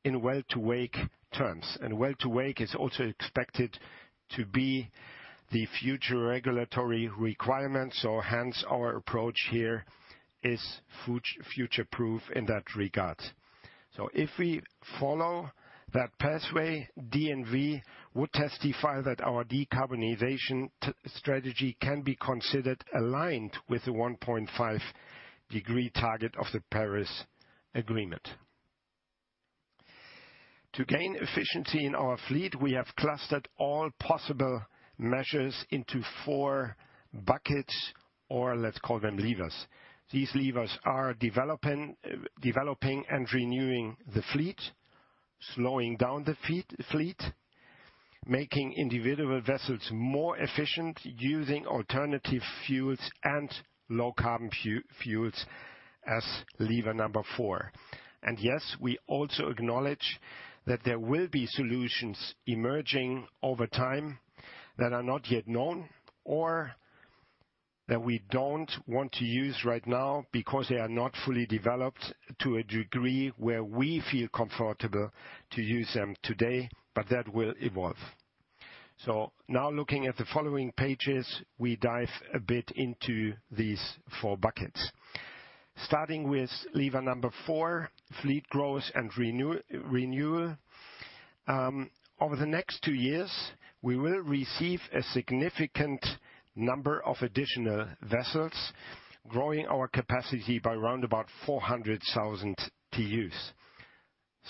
Speaker 4: in well-to-wake terms. Well-to-wake is also expected to be the future regulatory requirement, so hence, our approach here is future-proof in that regard. So if we follow that pathway, DNV would testify that our decarbonization strategy can be considered aligned with the 1.5-degree target of the Paris Agreement. To gain efficiency in our fleet, we have clustered all possible measures into four buckets, or let's call them levers. These levers are developing and renewing the fleet, slowing down the fleet, making individual vessels more efficient, using alternative fuels, and low carbon fuels as lever number four. And yes, we also acknowledge that there will be solutions emerging over time that are not yet known, or that we don't want to use right now because they are not fully developed to a degree where we feel comfortable to use them today, but that will evolve. So now looking at the following pages, we dive a bit into these four buckets. Starting with lever number four, fleet growth and renewal. Over the next two years, we will receive a significant number of additional vessels, growing our capacity by around about 400,000 TEUs....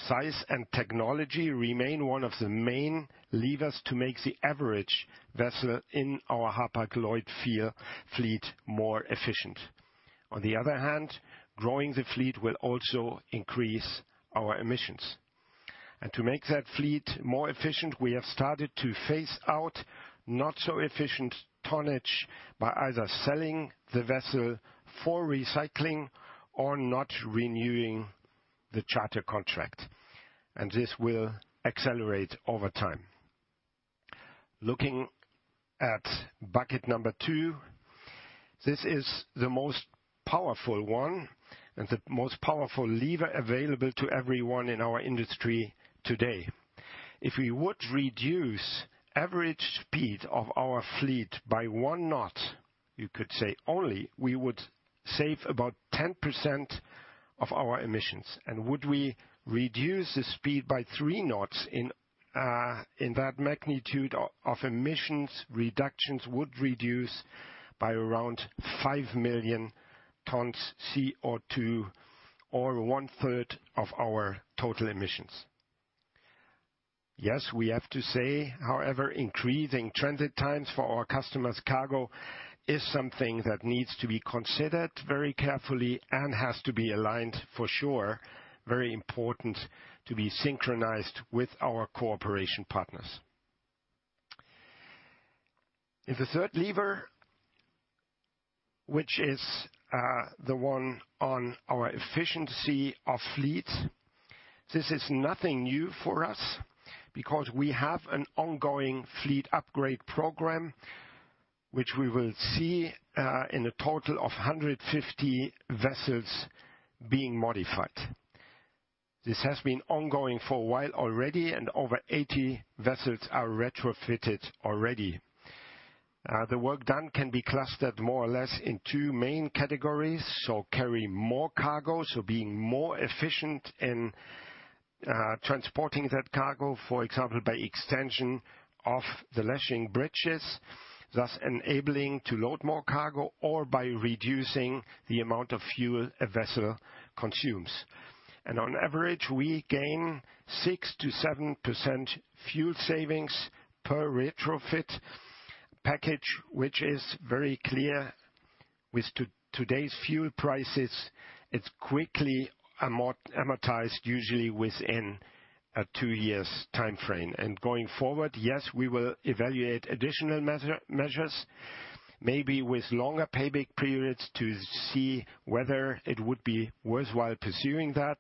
Speaker 4: Size and technology remain one of the main levers to make the average vessel in our Hapag-Lloyd fleet more efficient. On the other hand, growing the fleet will also increase our emissions. And to make that fleet more efficient, we have started to phase out not so efficient tonnage by either selling the vessel for recycling or not renewing the charter contract, and this will accelerate over time. Looking at bucket number two, this is the most powerful one, and the most powerful lever available to everyone in our industry today. If we would reduce average speed of our fleet by 1 knot, you could say only, we would save about 10% of our emissions. And would we reduce the speed by 3 knots in that magnitude of emissions, reductions would reduce by around 5 million tons CO2, or one third of our total emissions. Yes, we have to say, however, increasing transit times for our customers' cargo is something that needs to be considered very carefully and has to be aligned for sure. Very important, to be synchronized with our cooperation partners. And the third lever, which is, the one on our efficiency of fleet. This is nothing new for us, because we have an ongoing fleet upgrade program, which we will see, in a total of 150 vessels being modified. This has been ongoing for a while already, and over 80 vessels are retrofitted already. The work done can be clustered more or less in two main categories, so carry more cargo, so being more efficient in, transporting that cargo, for example, by extension of the lashing bridges, thus enabling to load more cargo, or by reducing the amount of fuel a vessel consumes. On average, we gain 6%-7% fuel savings per retrofit package, which is very clear. With today's fuel prices, it's quickly amortized, usually within a 2-year timeframe. And going forward, yes, we will evaluate additional measures, maybe with longer payback periods, to see whether it would be worthwhile pursuing that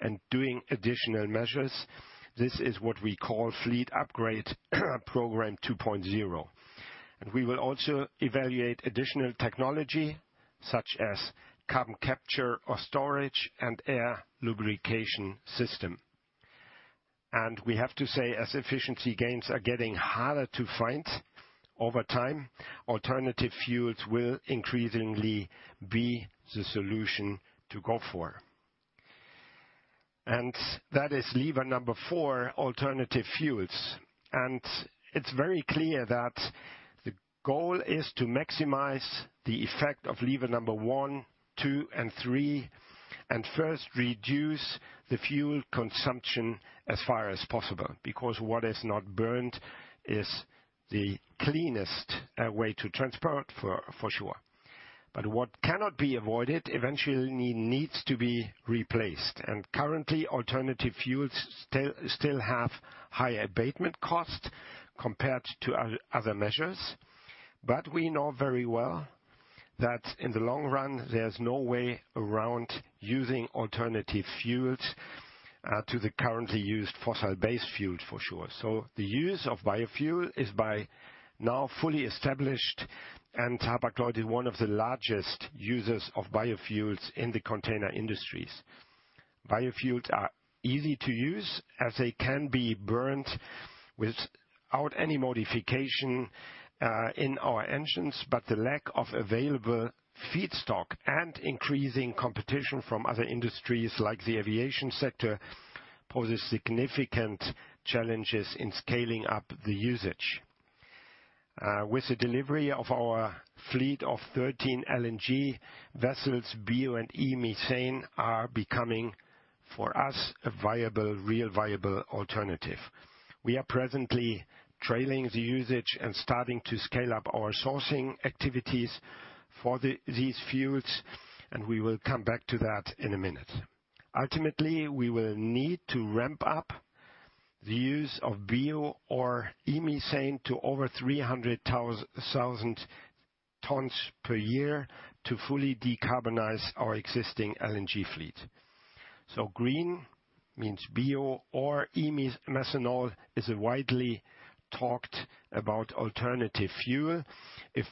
Speaker 4: and doing additional measures. This is what we call Fleet Upgrade Program 2.0. And we will also evaluate additional technology, such as carbon capture or storage and air lubrication system. And we have to say, as efficiency gains are getting harder to find over time, alternative fuels will increasingly be the solution to go for. And that is lever number four, alternative fuels. It's very clear that the goal is to maximize the effect of lever number 1, 2, and 3, and first reduce the fuel consumption as far as possible, because what is not burnt is the cleanest way to transport, for sure. But what cannot be avoided eventually needs to be replaced, and currently, alternative fuels still have high abatement costs compared to other measures. But we know very well that in the long run, there's no way around using alternative fuels to the currently used fossil-based fuel, for sure. So the use of biofuel is by now fully established, and Hapag-Lloyd is one of the largest users of biofuels in the container industries. Biofuels are easy to use, as they can be burnt without any modification in our engines, but the lack of available feedstock and increasing competition from other industries, like the aviation sector, poses significant challenges in scaling up the usage. With the delivery of our fleet of 13 LNG vessels, bio and e-methane are becoming, for us, a viable, real viable alternative. We are presently trialing the usage and starting to scale up our sourcing activities for these fuels, and we will come back to that in a minute. Ultimately, we will need to ramp up the use of bio or e-methane to over 300,000 tons per year to fully decarbonize our existing LNG fleet. So green means bio or methanol is a widely talked about alternative fuel. If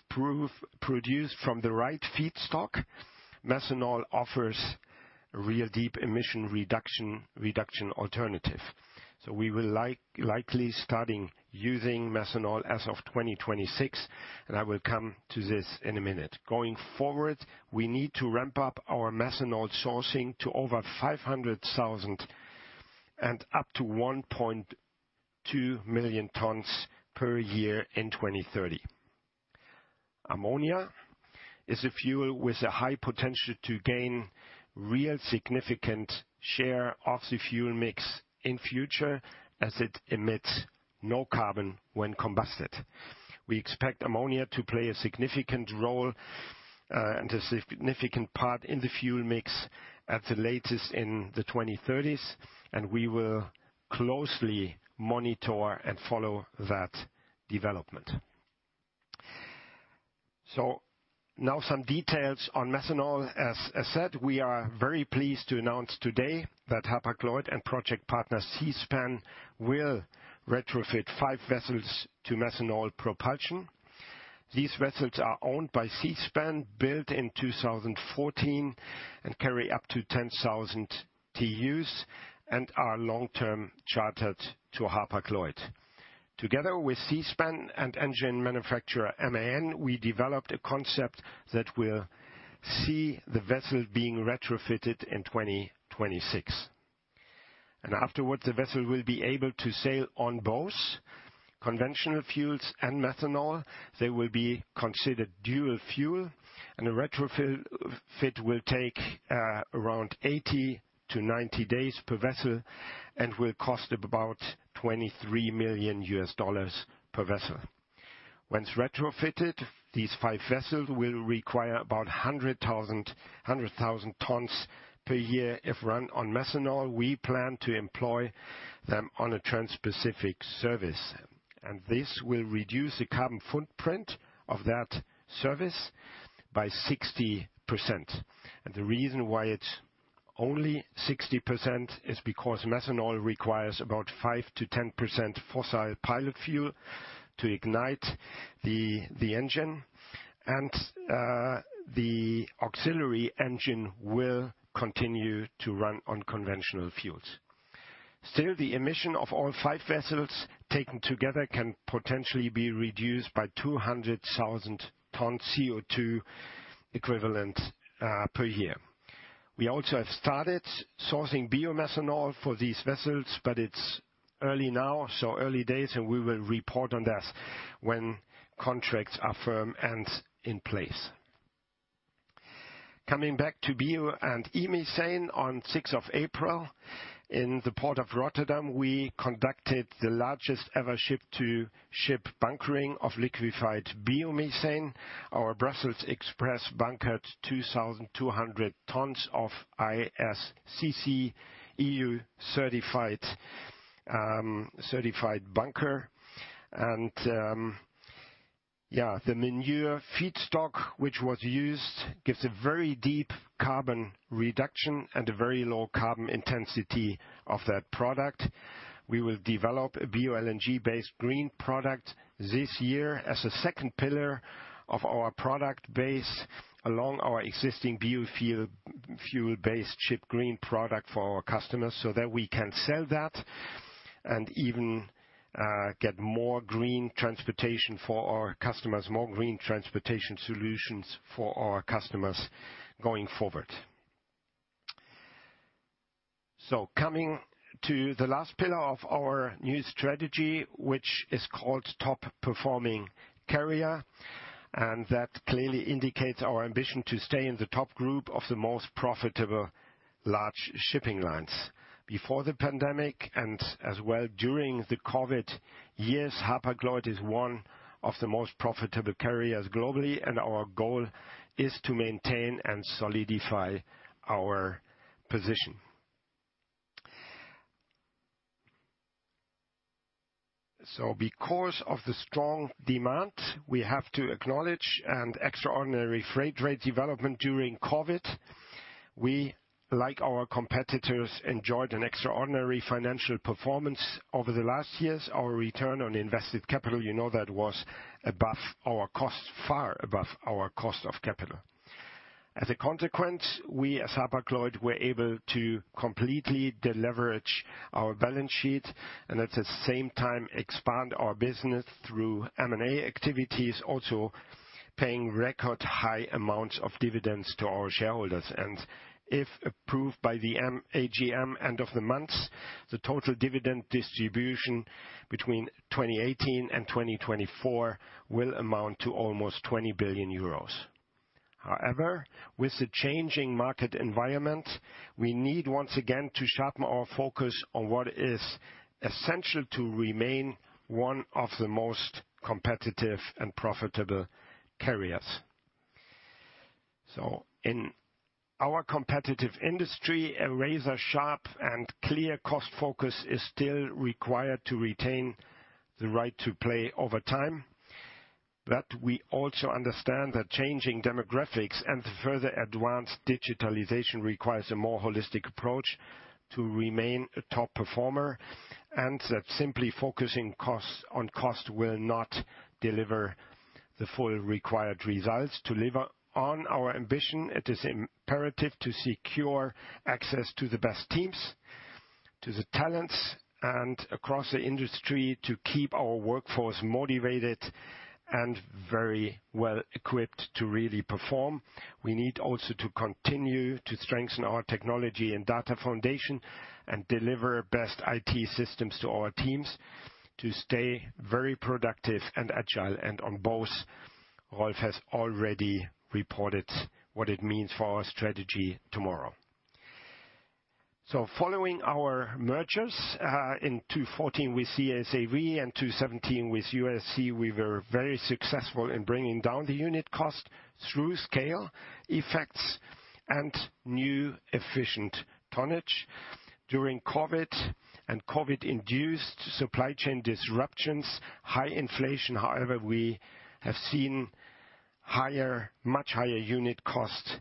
Speaker 4: produced from the right feedstock, methanol offers real deep emission reduction alternative. We will likely start using methanol as of 2026, and I will come to this in a minute. Going forward, we need to ramp up our methanol sourcing to over 500,000, and up to 1.2 million tons per year in 2030. Ammonia is a fuel with a high potential to gain real significant share of the fuel mix in future, as it emits no carbon when combusted. We expect ammonia to play a significant role, and a significant part in the fuel mix at the latest in the 2030s, and we will closely monitor and follow that development. Now some details on methanol. As said, we are very pleased to announce today that Hapag-Lloyd and project partner Seaspan will retrofit 5 vessels to methanol propulsion. These vessels are owned by Seaspan, built in 2014, and carry up to 10,000 TEUs and are long-term chartered to Hapag-Lloyd. Together with Seaspan and engine manufacturer MAN, we developed a concept that will see the vessel being retrofitted in 2026. And afterwards, the vessel will be able to sail on both conventional fuels and methanol. They will be considered dual fuel, and the retrofit will take around 80-90 days per vessel and will cost about $23 million per vessel. Once retrofitted, these five vessels will require about 100,000 tons per year if run on methanol. We plan to employ them on a transpacific service, and this will reduce the carbon footprint of that service by 60%. The reason why it's only 60% is because methanol requires about 5%-10% fossil pilot fuel to ignite the engine, and the auxiliary engine will continue to run on conventional fuels. Still, the emission of all five vessels taken together can potentially be reduced by 200,000 tons CO2 equivalent per year. We also have started sourcing bio-methanol for these vessels, but it's early now, so early days, and we will report on that when contracts are firm and in place. Coming back to bio and e-methane, on the sixth of April, in the port of Rotterdam, we conducted the largest-ever ship-to-ship bunkering of liquefied bio-methane. Our Brussels Express bunkered 2,200 tons of ISCC-EU certified bunker. And, yeah, the manure feedstock, which was used, gives a very deep carbon reduction and a very low carbon intensity of that product. We will develop a bio LNG-based green product this year as a second pillar of our product base, along our existing biofuel, fuel-based Ship Green product for our customers, so that we can sell that and even get more green transportation for our customers, more green transportation solutions for our customers going forward. So coming to the last pillar of our new strategy, which is called Top Performing Carrier, and that clearly indicates our ambition to stay in the top group of the most profitable large shipping lines. Before the pandemic, and as well during the COVID years, Hapag-Lloyd is one of the most profitable carriers globally, and our goal is to maintain and solidify our position. So because of the strong demand, we have to acknowledge an extraordinary freight rate development during COVID. We, like our competitors, enjoyed an extraordinary financial performance over the last years. Our return on invested capital, you know, that was above our cost, far above our cost of capital. As a consequence, we, as Hapag-Lloyd, were able to completely de-leverage our balance sheet and at the same time expand our business through M&A activities, also paying record high amounts of dividends to our shareholders. And if approved by the AGM, end of the month, the total dividend distribution between 2018 and 2024 will amount to almost 20 billion euros. However, with the changing market environment, we need once again to sharpen our focus on what is essential to remain one of the most competitive and profitable carriers. So in our competitive industry, a razor-sharp and clear cost focus is still required to retain the right to play over time. But we also understand that changing demographics and further advanced digitalization requires a more holistic approach to remain a top performer, and that simply focusing costs, on cost will not deliver the full required results. To deliver on our ambition, it is imperative to secure access to the best teams, to the talents, and across the industry, to keep our workforce motivated and very well-equipped to really perform. We need also to continue to strengthen our technology and data foundation and deliver best IT systems to our teams to stay very productive and agile. And on both, Rolf has already reported what it means for our strategy tomorrow. So following our mergers in 2014 with CSAV and 2017 with UASC, we were very successful in bringing down the unit cost through scale effects and new efficient tonnage. During COVID and COVID-induced supply chain disruptions, high inflation, however, we have seen higher, much higher unit costs,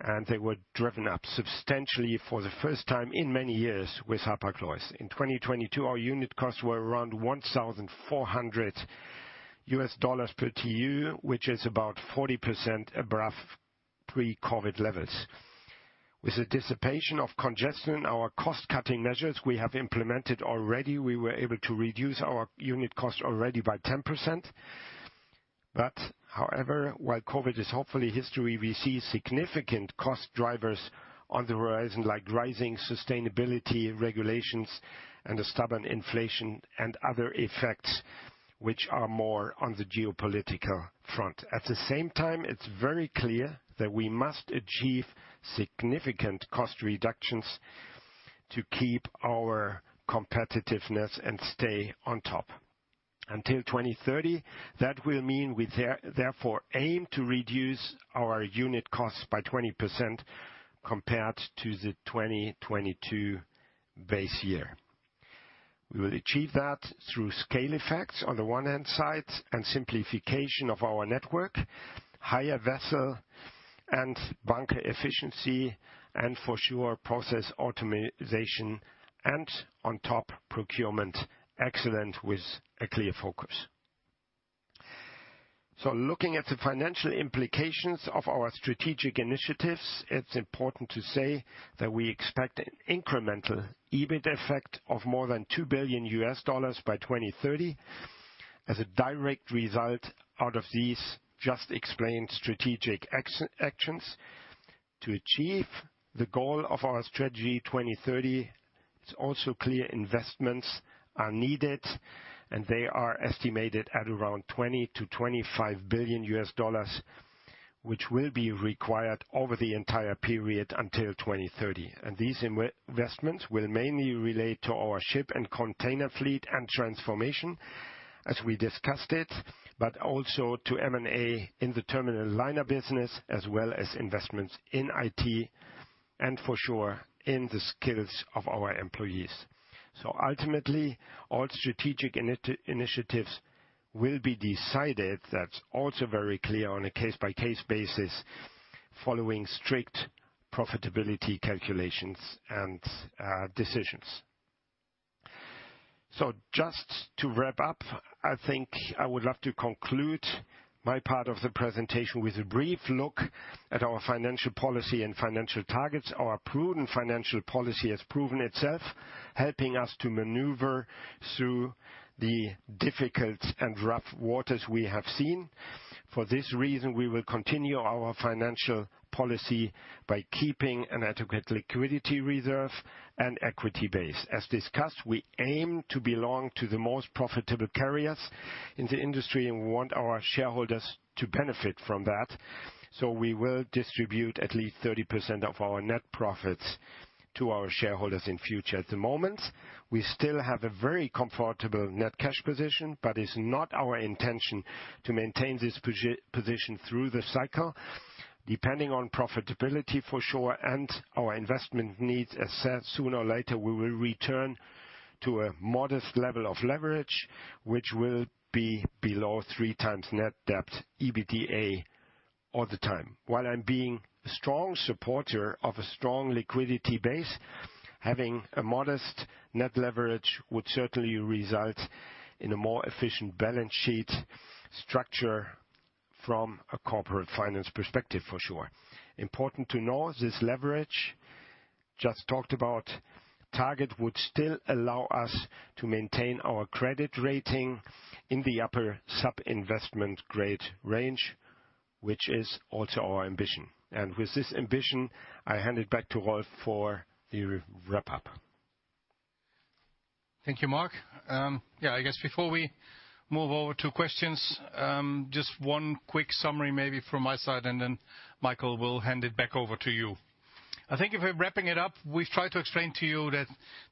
Speaker 4: and they were driven up substantially for the first time in many years with Hapag-Lloyd. In 2022, our unit costs were around $1,400 per TEU, which is about 40% above pre-COVID levels. With the dissipation of congestion, our cost-cutting measures we have implemented already, we were able to reduce our unit cost already by 10%. But however, while COVID is hopefully history, we see significant cost drivers on the horizon, like rising sustainability regulations and a stubborn inflation and other effects which are more on the geopolitical front. At the same time, it's very clear that we must achieve significant cost reductions to keep our competitiveness and stay on top. Until 2030, that will mean we therefore aim to reduce our unit costs by 20% compared to the 2022 base year. We will achieve that through scale effects on the one hand side, and simplification of our network, higher vessel and bunker efficiency, and for sure, process optimization, and on top, procurement excellence with a clear focus. So looking at the financial implications of our strategic initiatives, it's important to say that we expect an incremental EBIT effect of more than $2 billion by 2030, as a direct result out of these just explained strategic actions. To achieve the goal of our Strategy 2030, it's also clear investments are needed, and they are estimated at around $20-$25 billion, which will be required over the entire period until 2030. And these investments will mainly relate to our ship and container fleet and transformation, as we discussed it, but also to M&A in the terminal liner business, as well as investments in IT and for sure, in the skills of our employees. So ultimately, all strategic initiatives will be decided, that's also very clear, on a case-by-case basis, following strict profitability calculations and decisions. So just to wrap up, I think I would love to conclude my part of the presentation with a brief look at our financial policy and financial targets. Our prudent financial policy has proven itself, helping us to maneuver through the difficult and rough waters we have seen. For this reason, we will continue our financial policy by keeping an adequate liquidity reserve and equity base. As discussed, we aim to belong to the most profitable carriers in the industry, and we want our shareholders to benefit from that, so we will distribute at least 30% of our net profits to our shareholders in future. At the moment, we still have a very comfortable net cash position, but it's not our intention to maintain this position through the cycle. Depending on profitability, for sure, and our investment needs, as said, sooner or later, we will return to a modest level of leverage, which will be below 3x net debt EBITDA all the time. While I'm being a strong supporter of a strong liquidity base, having a modest net leverage would certainly result in a more efficient balance sheet structure from a corporate finance perspective, for sure. Important to know, this leverage just talked about, target would still allow us to maintain our credit rating in the upper sub-investment grade range, which is also our ambition. With this ambition, I hand it back to Rolf for the wrap-up.
Speaker 3: Thank you, Mark. Yeah, I guess before we move over to questions, just one quick summary, maybe from my side, and then Michael, we'll hand it back over to you. I think if we're wrapping it up, we've tried to explain to you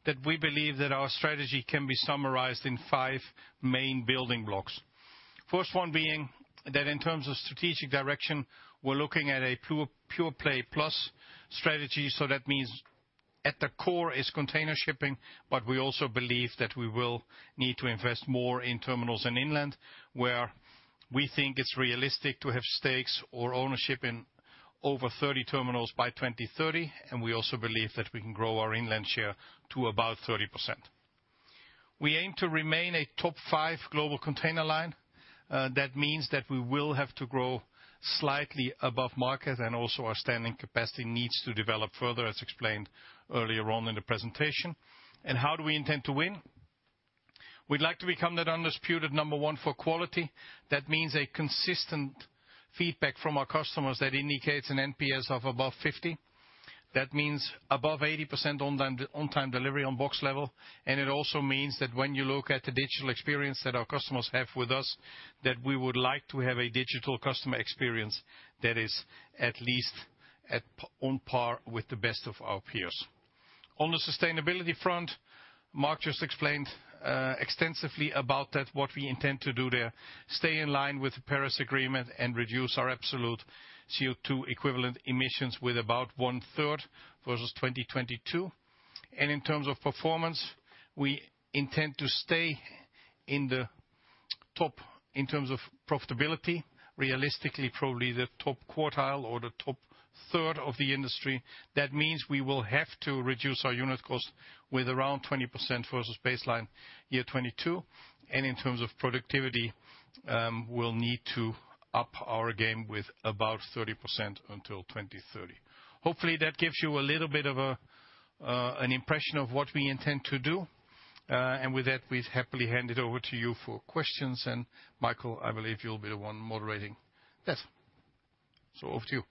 Speaker 3: that we believe that our strategy can be summarized in five main building blocks. First one being that in terms of strategic direction, we're looking at a Pure Play Plus strategy. So that means at the core is container shipping, but we also believe that we will need to invest more in terminals and inland, where we think it's realistic to have stakes or ownership in over 30 terminals by 2030, and we also believe that we can grow our inland share to about 30%. We aim to remain a top-five global container line. That means that we will have to grow slightly above market and also our standing capacity needs to develop further, as explained earlier on in the presentation. And how do we intend to win? We'd like to become the undisputed number one for quality. That means a consistent feedback from our customers that indicates an NPS of above 50. That means above 80% on-time delivery on box level. And it also means that when you look at the digital experience that our customers have with us, that we would like to have a digital customer experience that is at least on par with the best of our peers. On the sustainability front, Mark just explained extensively about that, what we intend to do there. Stay in line with the Paris Agreement and reduce our absolute CO2 equivalent emissions with about one-third versus 2022. In terms of performance, we intend to stay in the top in terms of profitability, realistically, probably the top quartile or the top third of the industry. That means we will have to reduce our unit cost with around 20% versus baseline year 2022, and in terms of productivity, we'll need to up our game with about 30% until 2030. Hopefully, that gives you a little bit of a, an impression of what we intend to do. With that, we happily hand it over to you for questions, and Michael, I believe you'll be the one moderating that. Over to you.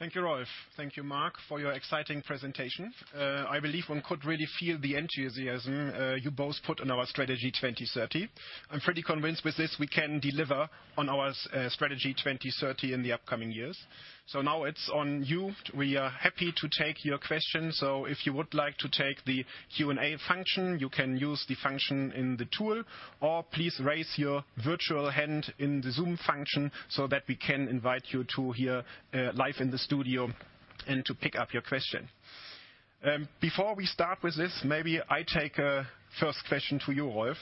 Speaker 2: Thank you, Rolf. Thank you, Mark, for your exciting presentation. I believe one could really feel the enthusiasm, you both put in our Strategy 2030. I'm pretty convinced with this, we can deliver on our, Strategy 2030 in the upcoming years. So now it's on you. We are happy to take your questions, so if you would like to take the Q&A function, you can use the function in the tool, or please raise your virtual hand in the Zoom function so that we can invite you to here, live in the studio, and to pick up your question. Before we start with this, maybe I take a first question to you, Rolf.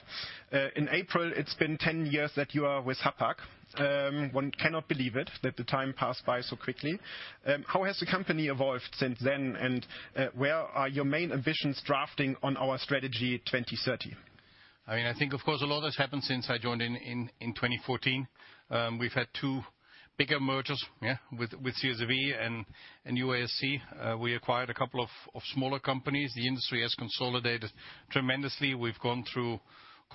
Speaker 2: In April, it's been 10 years that you are with Hapag. One cannot believe it, that the time passed by so quickly. How has the company evolved since then, and where are your main ambitions drafting on our Strategy 2030?
Speaker 3: I mean, I think, of course, a lot has happened since I joined in 2014. We've had two bigger mergers, yeah, with CSAV and UASC. We acquired a couple of smaller companies. The industry has consolidated tremendously. We've gone through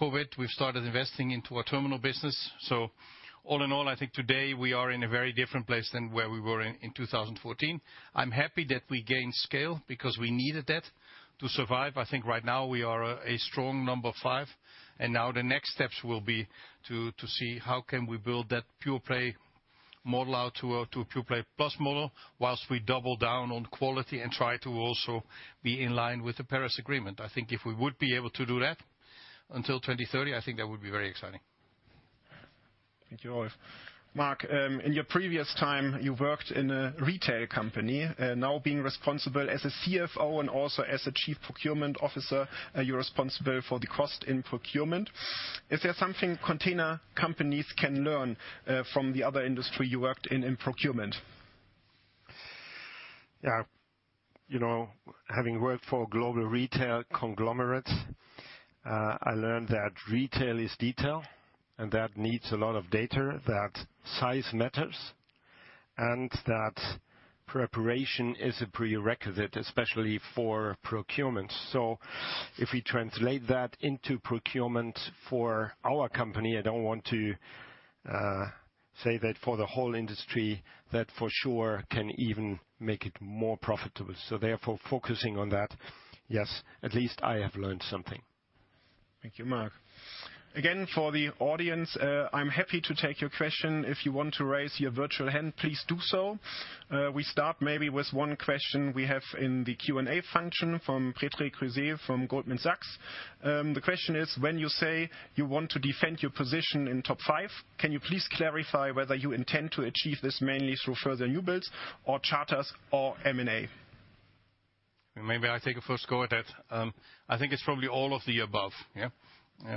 Speaker 3: COVID. We've started investing into our terminal business. So all in all, I think today we are in a very different place than where we were in 2014. I'm happy that we gained scale because we needed that to survive. I think right now we are a strong number 5, and now the next steps will be to see how we can build that pure-play model out to a Pure Play Plus model, while we double down on quality and try to also be in line with the Paris Agreement. I think if we would be able to do that until 2030, I think that would be very exciting.
Speaker 2: Thank you, Rolf. Mark, in your previous time, you worked in a retail company. Now being responsible as a CFO and also as a Chief Procurement Officer, you're responsible for the cost in procurement. Is there something container companies can learn from the other industry you worked in, in procurement?
Speaker 4: Yeah. You know, having worked for global retail conglomerates, I learned that retail is detail, and that needs a lot of data, that size matters, and that preparation is a prerequisite, especially for procurement. So if we translate that into procurement for our company, I don't want to say that for the whole industry, that for sure can even make it more profitable. So therefore, focusing on that, yes, at least I have learned something.
Speaker 2: Thank you, Mark. Again, for the audience, I'm happy to take your question. If you want to raise your virtual hand, please do so. We start maybe with one question we have in the Q&A function from Patrick Creuset from Goldman Sachs. The question is: When you say you want to defend your position in top-five, can you please clarify whether you intend to achieve this mainly through further new builds or charters or M&A?
Speaker 3: Maybe I take a first go at that. I think it's probably all of the above, yeah.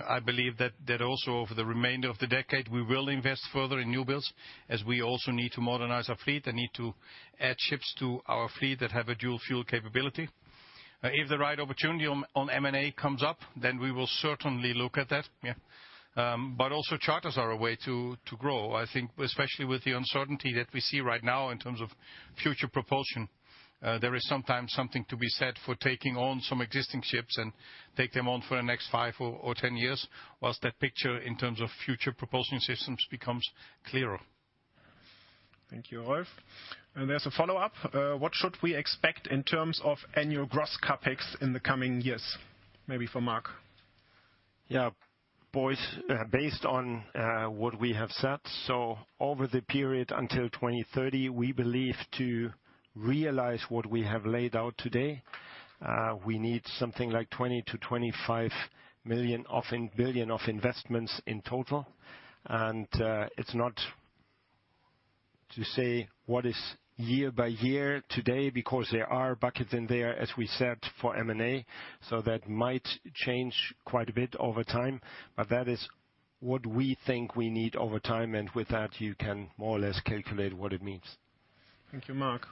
Speaker 3: I believe that also over the remainder of the decade, we will invest further in new builds, as we also need to modernize our fleet and need to add ships to our fleet that have a dual fuel capability. If the right opportunity on M&A comes up, then we will certainly look at that, yeah. But also charters are a way to grow. I think, especially with the uncertainty that we see right now in terms of future propulsion, there is sometimes something to be said for taking on some existing ships and take them on for the next five or 10 years, while that picture in terms of future propulsion systems becomes clearer.
Speaker 2: Thank you, Rolf. And there's a follow-up: what should we expect in terms of annual gross CapEx in the coming years? Maybe for Mark.
Speaker 4: Yeah. Boys, based on what we have said, so over the period until 2030, we believe to realize what we have laid out today, we need something like $20-$25 million or $10 billion of investments in total. And, it's not to say what is year by year today, because there are buckets in there, as we said, for M&A, so that might change quite a bit over time. But that is what we think we need over time, and with that, you can more or less calculate what it means.
Speaker 2: Thank you, Mark.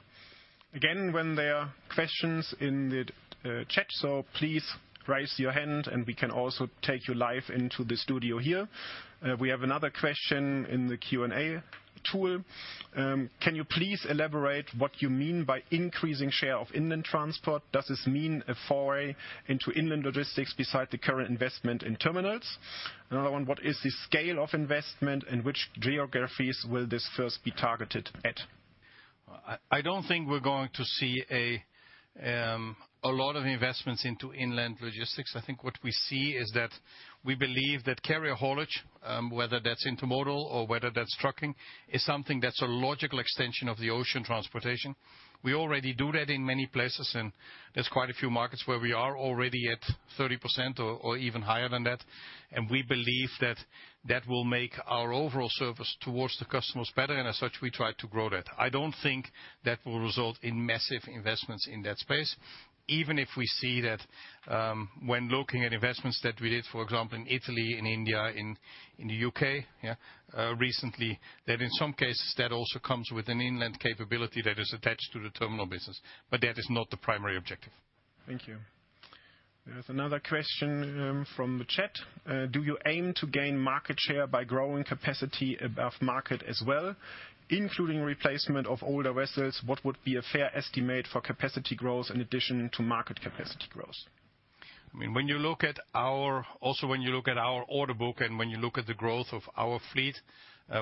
Speaker 2: Again, when there are questions in the chat, so please raise your hand, and we can also take you live into the studio here. We have another question in the Q&A tool. Can you please elaborate what you mean by increasing share of inland transport? Does this mean a foray into inland logistics beside the current investment in terminals? Another one, what is the scale of investment, and which geographies will this first be targeted at? ...
Speaker 3: I don't think we're going to see a lot of investments into inland logistics. I think what we see is that we believe that carrier haulage, whether that's intermodal or whether that's trucking, is something that's a logical extension of the ocean transportation. We already do that in many places, and there's quite a few markets where we are already at 30% or even higher than that, and we believe that that will make our overall service towards the customers better, and as such, we try to grow that. I don't think that will result in massive investments in that space, even if we see that, when looking at investments that we did, for example, in Italy, in India, in the U.K., yeah, recently, that in some cases, that also comes with an inland capability that is attached to the terminal business, but that is not the primary objective.
Speaker 2: Thank you. There is another question from the chat. Do you aim to gain market share by growing capacity above market as well, including replacement of older vessels? What would be a fair estimate for capacity growth in addition to market capacity growth?
Speaker 3: Also, when you look at our order book and when you look at the growth of our fleet,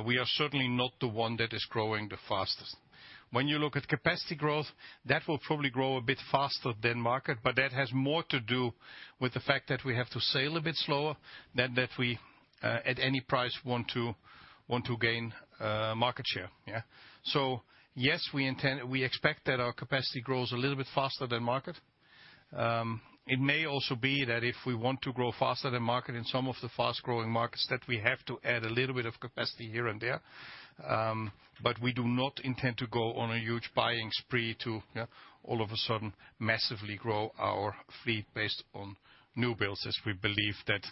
Speaker 3: we are certainly not the one that is growing the fastest. When you look at capacity growth, that will probably grow a bit faster than market, but that has more to do with the fact that we have to sail a bit slower than if we at any price want to gain market share, yeah? So yes, we intend, we expect that our capacity grows a little bit faster than market. It may also be that if we want to grow faster than market in some of the fast-growing markets, that we have to add a little bit of capacity here and there. We do not intend to go on a huge buying spree to all of a sudden massively grow our fleet based on new builds, as we believe that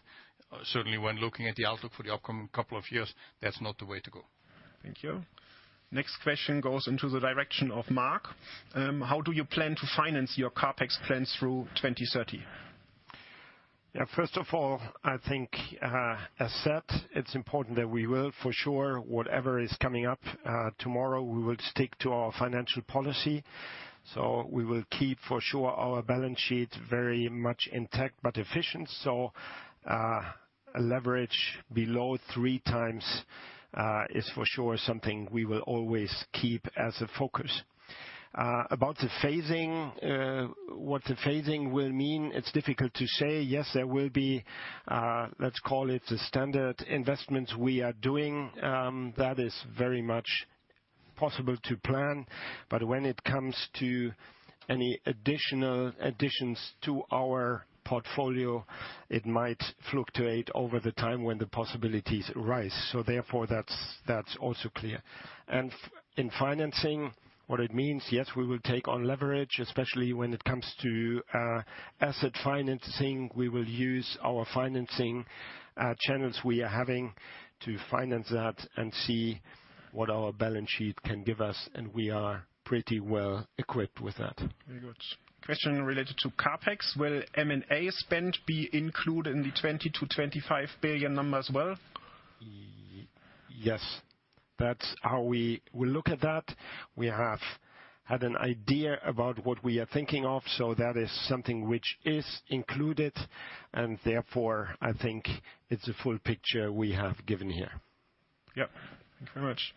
Speaker 3: certainly when looking at the outlook for the upcoming couple of years, that's not the way to go.
Speaker 2: Thank you. Next question goes into the direction of Mark. How do you plan to finance your CapEx plans through 2030?
Speaker 4: Yeah, first of all, I think, as said, it's important that we will, for sure, whatever is coming up, tomorrow, we will stick to our financial policy. So we will keep for sure our balance sheet very much intact, but efficient. So, a leverage below three times, is for sure something we will always keep as a focus. About the phasing, what the phasing will mean, it's difficult to say. Yes, there will be, let's call it the standard investments we are doing. That is very much possible to plan, but when it comes to any additional additions to our portfolio, it might fluctuate over the time when the possibilities rise. So therefore, that's, that's also clear. And in financing, what it means, yes, we will take on leverage, especially when it comes to asset financing. We will use our financing channels we are having to finance that and see what our balance sheet can give us, and we are pretty well equipped with that.
Speaker 2: Very good. Question related to CapEx: Will M&A spend be included in the $20 billion-$25 billion number as well?
Speaker 4: Yes. That's how we will look at that. We have had an idea about what we are thinking of, so that is something which is included, and therefore, I think it's a full picture we have given here.
Speaker 2: Yep. Thank you very much.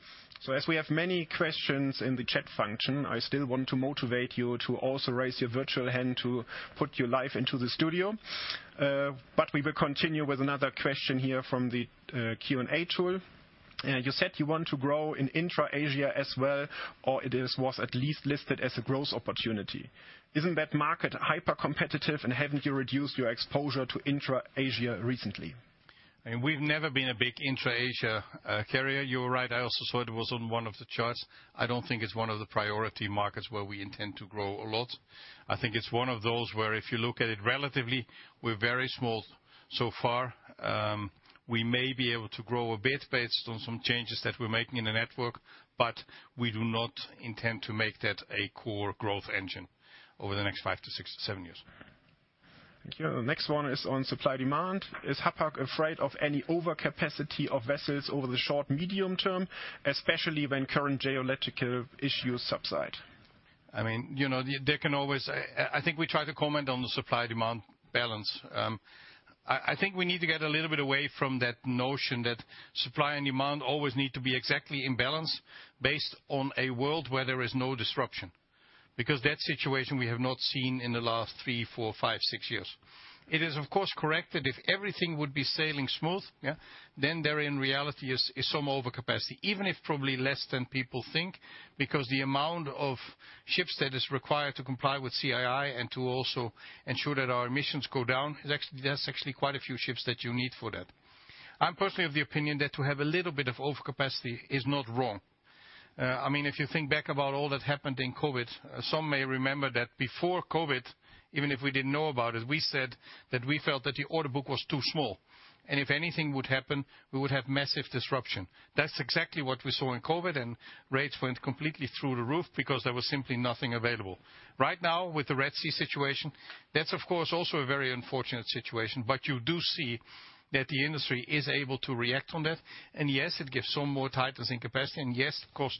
Speaker 2: So as we have many questions in the chat function, I still want to motivate you to also raise your virtual hand to put you live into the studio. But we will continue with another question here from the Q&A tool. You said you want to grow in intra-Asia as well, or it is, was at least listed as a growth opportunity. Isn't that market hypercompetitive, and haven't you reduced your exposure to intra-Asia recently?
Speaker 3: I mean, we've never been a big intra-Asia carrier. You are right, I also saw it was on one of the charts. I don't think it's one of the priority markets where we intend to grow a lot. I think it's one of those where if you look at it relatively, we're very small so far. We may be able to grow a bit based on some changes that we're making in the network, but we do not intend to make that a core growth engine over the next 5-6-7 years.
Speaker 2: Thank you. The next one is on supply-demand. Is Hapag afraid of any overcapacity of vessels over the short, medium term, especially when current geopolitical issues subside?
Speaker 3: I mean, you know, there can always... I think we try to comment on the supply-demand balance. I think we need to get a little bit away from that notion that supply and demand always need to be exactly in balance based on a world where there is no disruption, because that situation we have not seen in the last 3, 4, 5, 6 years. It is, of course, correct that if everything would be sailing smooth, yeah, then there in reality is some overcapacity, even if probably less than people think, because the amount of ships that is required to comply with CII and to also ensure that our emissions go down is actually, there's actually quite a few ships that you need for that. I'm personally of the opinion that to have a little bit of overcapacity is not wrong. I mean, if you think back about all that happened in COVID, some may remember that before COVID, even if we didn't know about it, we said that we felt that the order book was too small, and if anything would happen, we would have massive disruption. That's exactly what we saw in COVID, and rates went completely through the roof because there was simply nothing available. Right now, with the Red Sea situation, that's of course also a very unfortunate situation, but you do see that the industry is able to react on that. And yes, it gives some more tightness in capacity, and yes, costs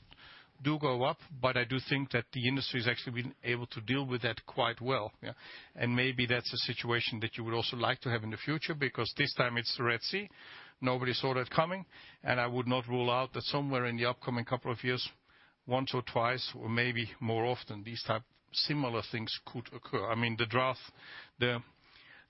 Speaker 3: do go up, but I do think that the industry has actually been able to deal with that quite well, yeah. And maybe that's a situation that you would also like to have in the future, because this time it's the Red Sea. Nobody saw that coming, and I would not rule out that somewhere in the upcoming couple of years, once or twice, or maybe more often, these type similar things could occur. I mean, the draft,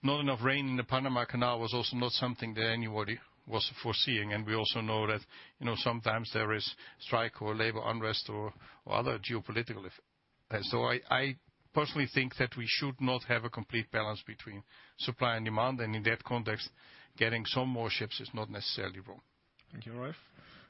Speaker 3: not enough rain in the Panama Canal was also not something that anybody was foreseeing, and we also know that, you know, sometimes there is strike or labor unrest or, or other geopolitical effect. And so I, I personally think that we should not have a complete balance between supply and demand, and in that context, getting some more ships is not necessarily wrong.
Speaker 2: Thank you, Rolf.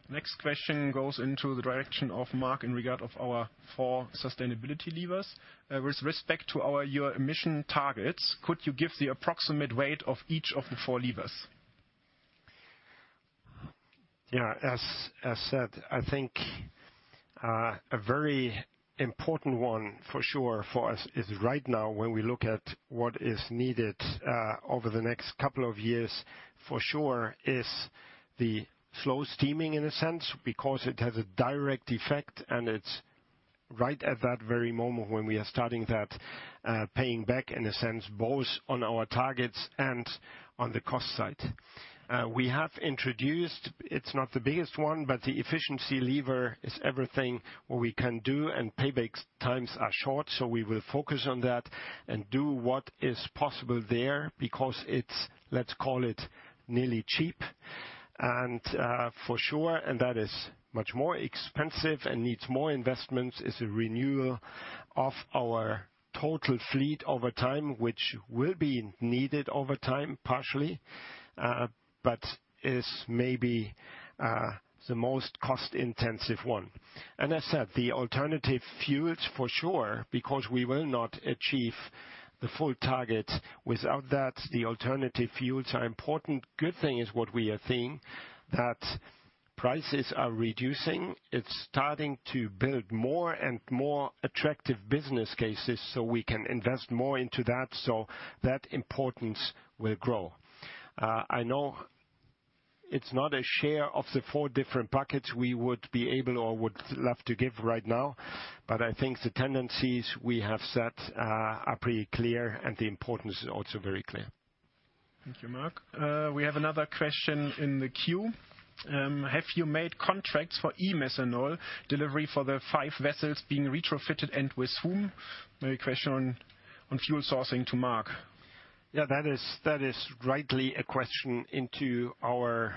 Speaker 2: Next question goes into the direction of Mark in regard of our four sustainability levers. With respect to our year emission targets, could you give the approximate weight of each of the four levers?
Speaker 4: Yeah, as said, I think a very important one for sure for us is right now, when we look at what is needed over the next couple of years, for sure, is the slow steaming in a sense, because it has a direct effect, and it's right at that very moment when we are starting that paying back in a sense, both on our targets and on the cost side. We have introduced; it's not the biggest one, but the efficiency lever is everything we can do, and payback times are short, so we will focus on that and do what is possible there, because it's, let's call it, nearly cheap. For sure, and that is much more expensive and needs more investments, is a renewal of our total fleet over time, which will be needed over time, partially, but is maybe the most cost-intensive one. And as said, the alternative fuels, for sure, because we will not achieve the full target without that. The alternative fuels are important. Good thing is what we are seeing, that prices are reducing. It's starting to build more and more attractive business cases, so we can invest more into that, so that importance will grow. I know it's not a share of the four different buckets we would be able or would love to give right now, but I think the tendencies we have set are pretty clear, and the importance is also very clear.
Speaker 2: Thank you, Mark. We have another question in the queue. Have you made contracts for e-methanol delivery for the five vessels being retrofitted, and with whom? Maybe a question on fuel sourcing to Mark.
Speaker 4: Yeah, that is, that is rightly a question into our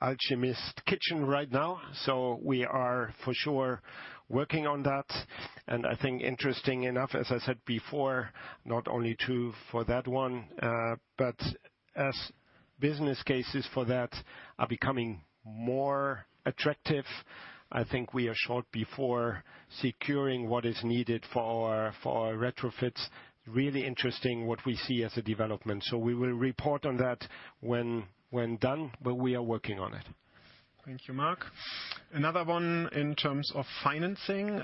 Speaker 4: alchemist kitchen right now. So we are for sure working on that, and I think interesting enough, as I said before, not only to for that one, but as business cases for that are becoming more attractive, I think we are short before securing what is needed for our, for our retrofits. Really interesting what we see as a development. So we will report on that when, when done, but we are working on it.
Speaker 2: Thank you, Mark. Another one in terms of financing.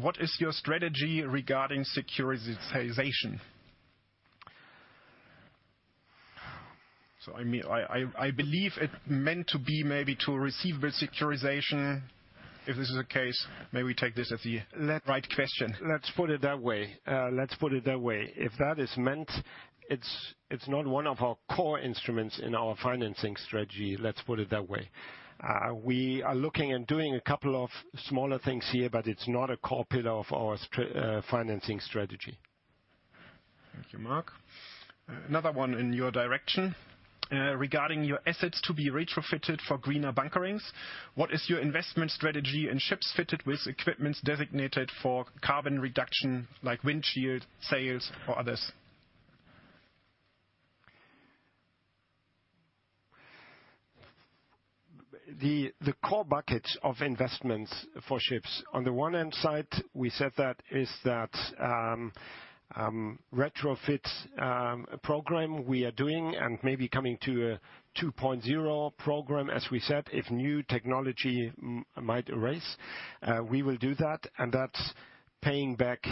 Speaker 2: What is your strategy regarding securitization? So, I mean, I believe it meant to be maybe to receivable securitization. If this is the case, may we take this as the right question?
Speaker 4: Let's put it that way. Let's put it that way. If that is meant, it's not one of our core instruments in our financing strategy, let's put it that way. We are looking and doing a couple of smaller things here, but it's not a core pillar of our financing strategy.
Speaker 2: Thank you, Mark. Another one in your direction. Regarding your assets to be retrofitted for greener bunkerings, what is your investment strategy in ships fitted with equipment designated for carbon reduction, like windshield, sails, or others?
Speaker 4: The core bucket of investments for ships, on the one hand side, we said that is the retrofits program we are doing and maybe coming to a 2.0 program, as we said, if new technology might arise, we will do that, and that's paying back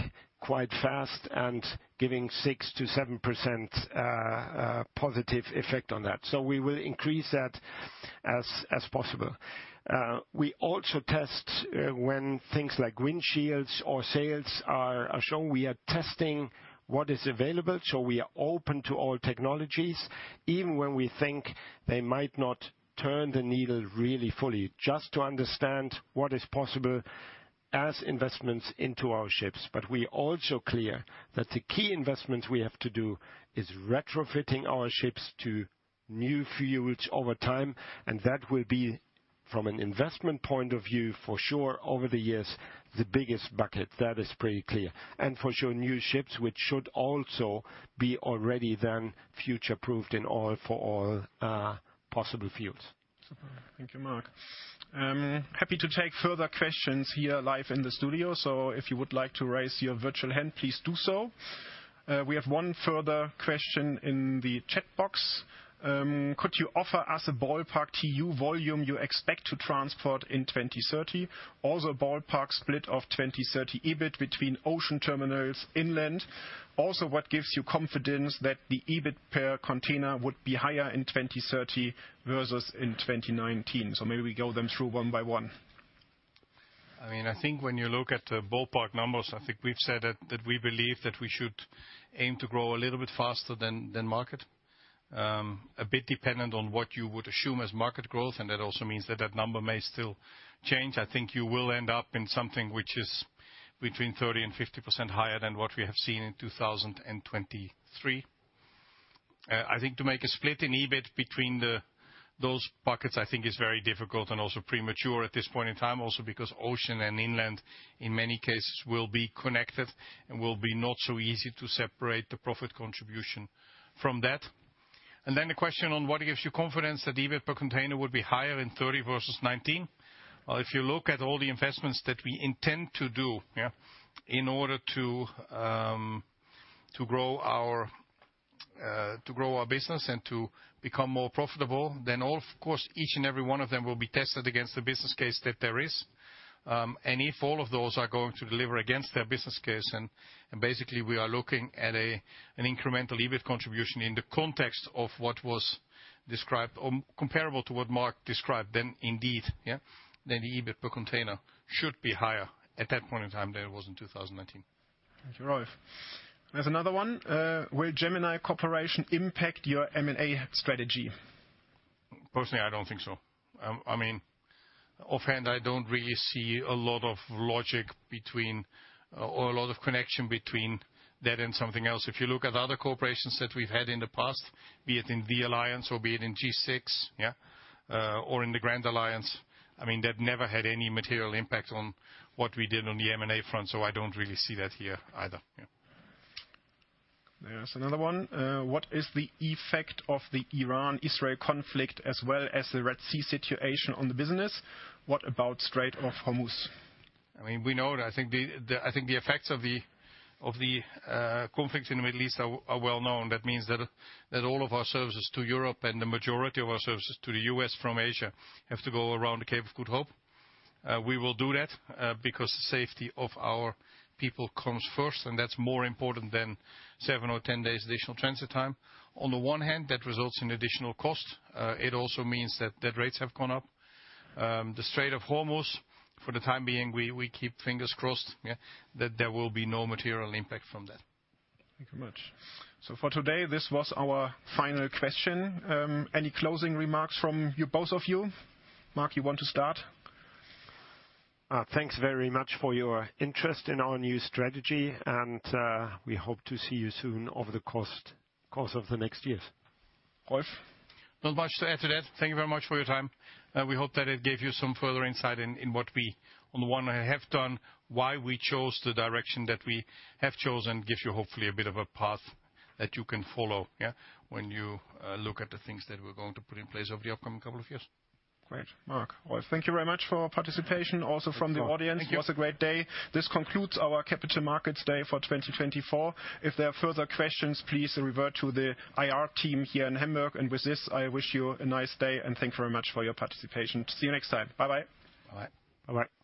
Speaker 4: quite fast and giving 6%-7% positive effect on that. So we will increase that as possible. We also test when things like windshields or sails are shown. We are testing what is available, so we are open to all technologies, even when we think they might not turn the needle really fully, just to understand what is possible as investments into our ships. But we are also clear that the key investment we have to do is retrofitting our ships to new fuels over time, and that will be, from an investment point of view, for sure, over the years, the biggest bucket. That is pretty clear. And for sure, new ships, which should also be already then future-proofed in all, for all, possible fuels.
Speaker 2: Thank you, Mark. Happy to take further questions here live in the studio, so if you would like to raise your virtual hand, please do so. We have one further question in the chat box. Could you offer us a ballpark TU volume you expect to transport in 2030? Also, a ballpark split of 2030 EBIT between ocean terminals inland. Also, what gives you confidence that the EBIT per container would be higher in 2030 versus in 2019? So maybe we go them through one by one.
Speaker 3: I mean, I think when you look at the ballpark numbers, I think we've said that we believe that we should aim to grow a little bit faster than the market, a bit dependent on what you would assume as market growth, and that also means that that number may still change. I think you will end up in something which is between 30%-50% higher than what we have seen in 2023. I think to make a split in EBIT between those buckets, I think is very difficult and also premature at this point in time. Also, because ocean and inland, in many cases, will be connected and will be not so easy to separate the profit contribution from that. And then the question on what gives you confidence that EBIT per container would be higher in 2030 versus 2019? Well, if you look at all the investments that we intend to do, yeah, in order to, to grow our, to grow our business and to become more profitable, then of course, each and every one of them will be tested against the business case that there is. And if all of those are going to deliver against their business case, and, and basically, we are looking at a, an incremental EBIT contribution in the context of what was described or comparable to what Mark described, then indeed, yeah, then the EBIT per container should be higher at that point in time than it was in 2019.
Speaker 2: Thank you, Rolf. There's another one. Will Gemini Cooperation impact your M&A strategy?
Speaker 3: Personally, I don't think so. I mean, offhand, I don't really see a lot of logic between or a lot of connection between that and something else. If you look at other corporations that we've had in the past, be it in The Alliance or be it in G6, or in the Grand Alliance, I mean, that never had any material impact on what we did on the M&A front, so I don't really see that here either, yeah.
Speaker 2: There's another one. What is the effect of the Iran-Israel conflict, as well as the Red Sea situation on the business? What about Strait of Hormuz?
Speaker 3: I mean, we know that. I think the effects of the conflict in the Middle East are well known. That means that all of our services to Europe and the majority of our services to the U.S. from Asia have to go around the Cape of Good Hope. We will do that because the safety of our people comes first, and that's more important than seven or 10 days additional transit time. On the one hand, that results in additional costs. It also means that freight rates have gone up. The Strait of Hormuz, for the time being, we keep fingers crossed, yeah, that there will be no material impact from that.
Speaker 2: Thank you very much. For today, this was our final question. Any closing remarks from you, both of you? Mark, you want to start?
Speaker 4: Thanks very much for your interest in our new strategy, and we hope to see you soon over the course of the next years.
Speaker 2: Rolf?
Speaker 3: Not much to add to that. Thank you very much for your time, and we hope that it gave you some further insight in what we, on the one hand, have done, why we chose the direction that we have chosen, and give you, hopefully, a bit of a path that you can follow, yeah, when you look at the things that we're going to put in place over the upcoming couple of years.
Speaker 2: Great. Mark. Well, thank you very much for your participation, also from the audience.
Speaker 4: Thank you.
Speaker 2: It was a great day. This concludes our Capital Markets Day for 2024. If there are further questions, please revert to the IR team here in Hamburg, and with this, I wish you a nice day, and thank you very much for your participation. See you next time. Bye-bye.
Speaker 4: Bye-bye.
Speaker 3: Bye-bye.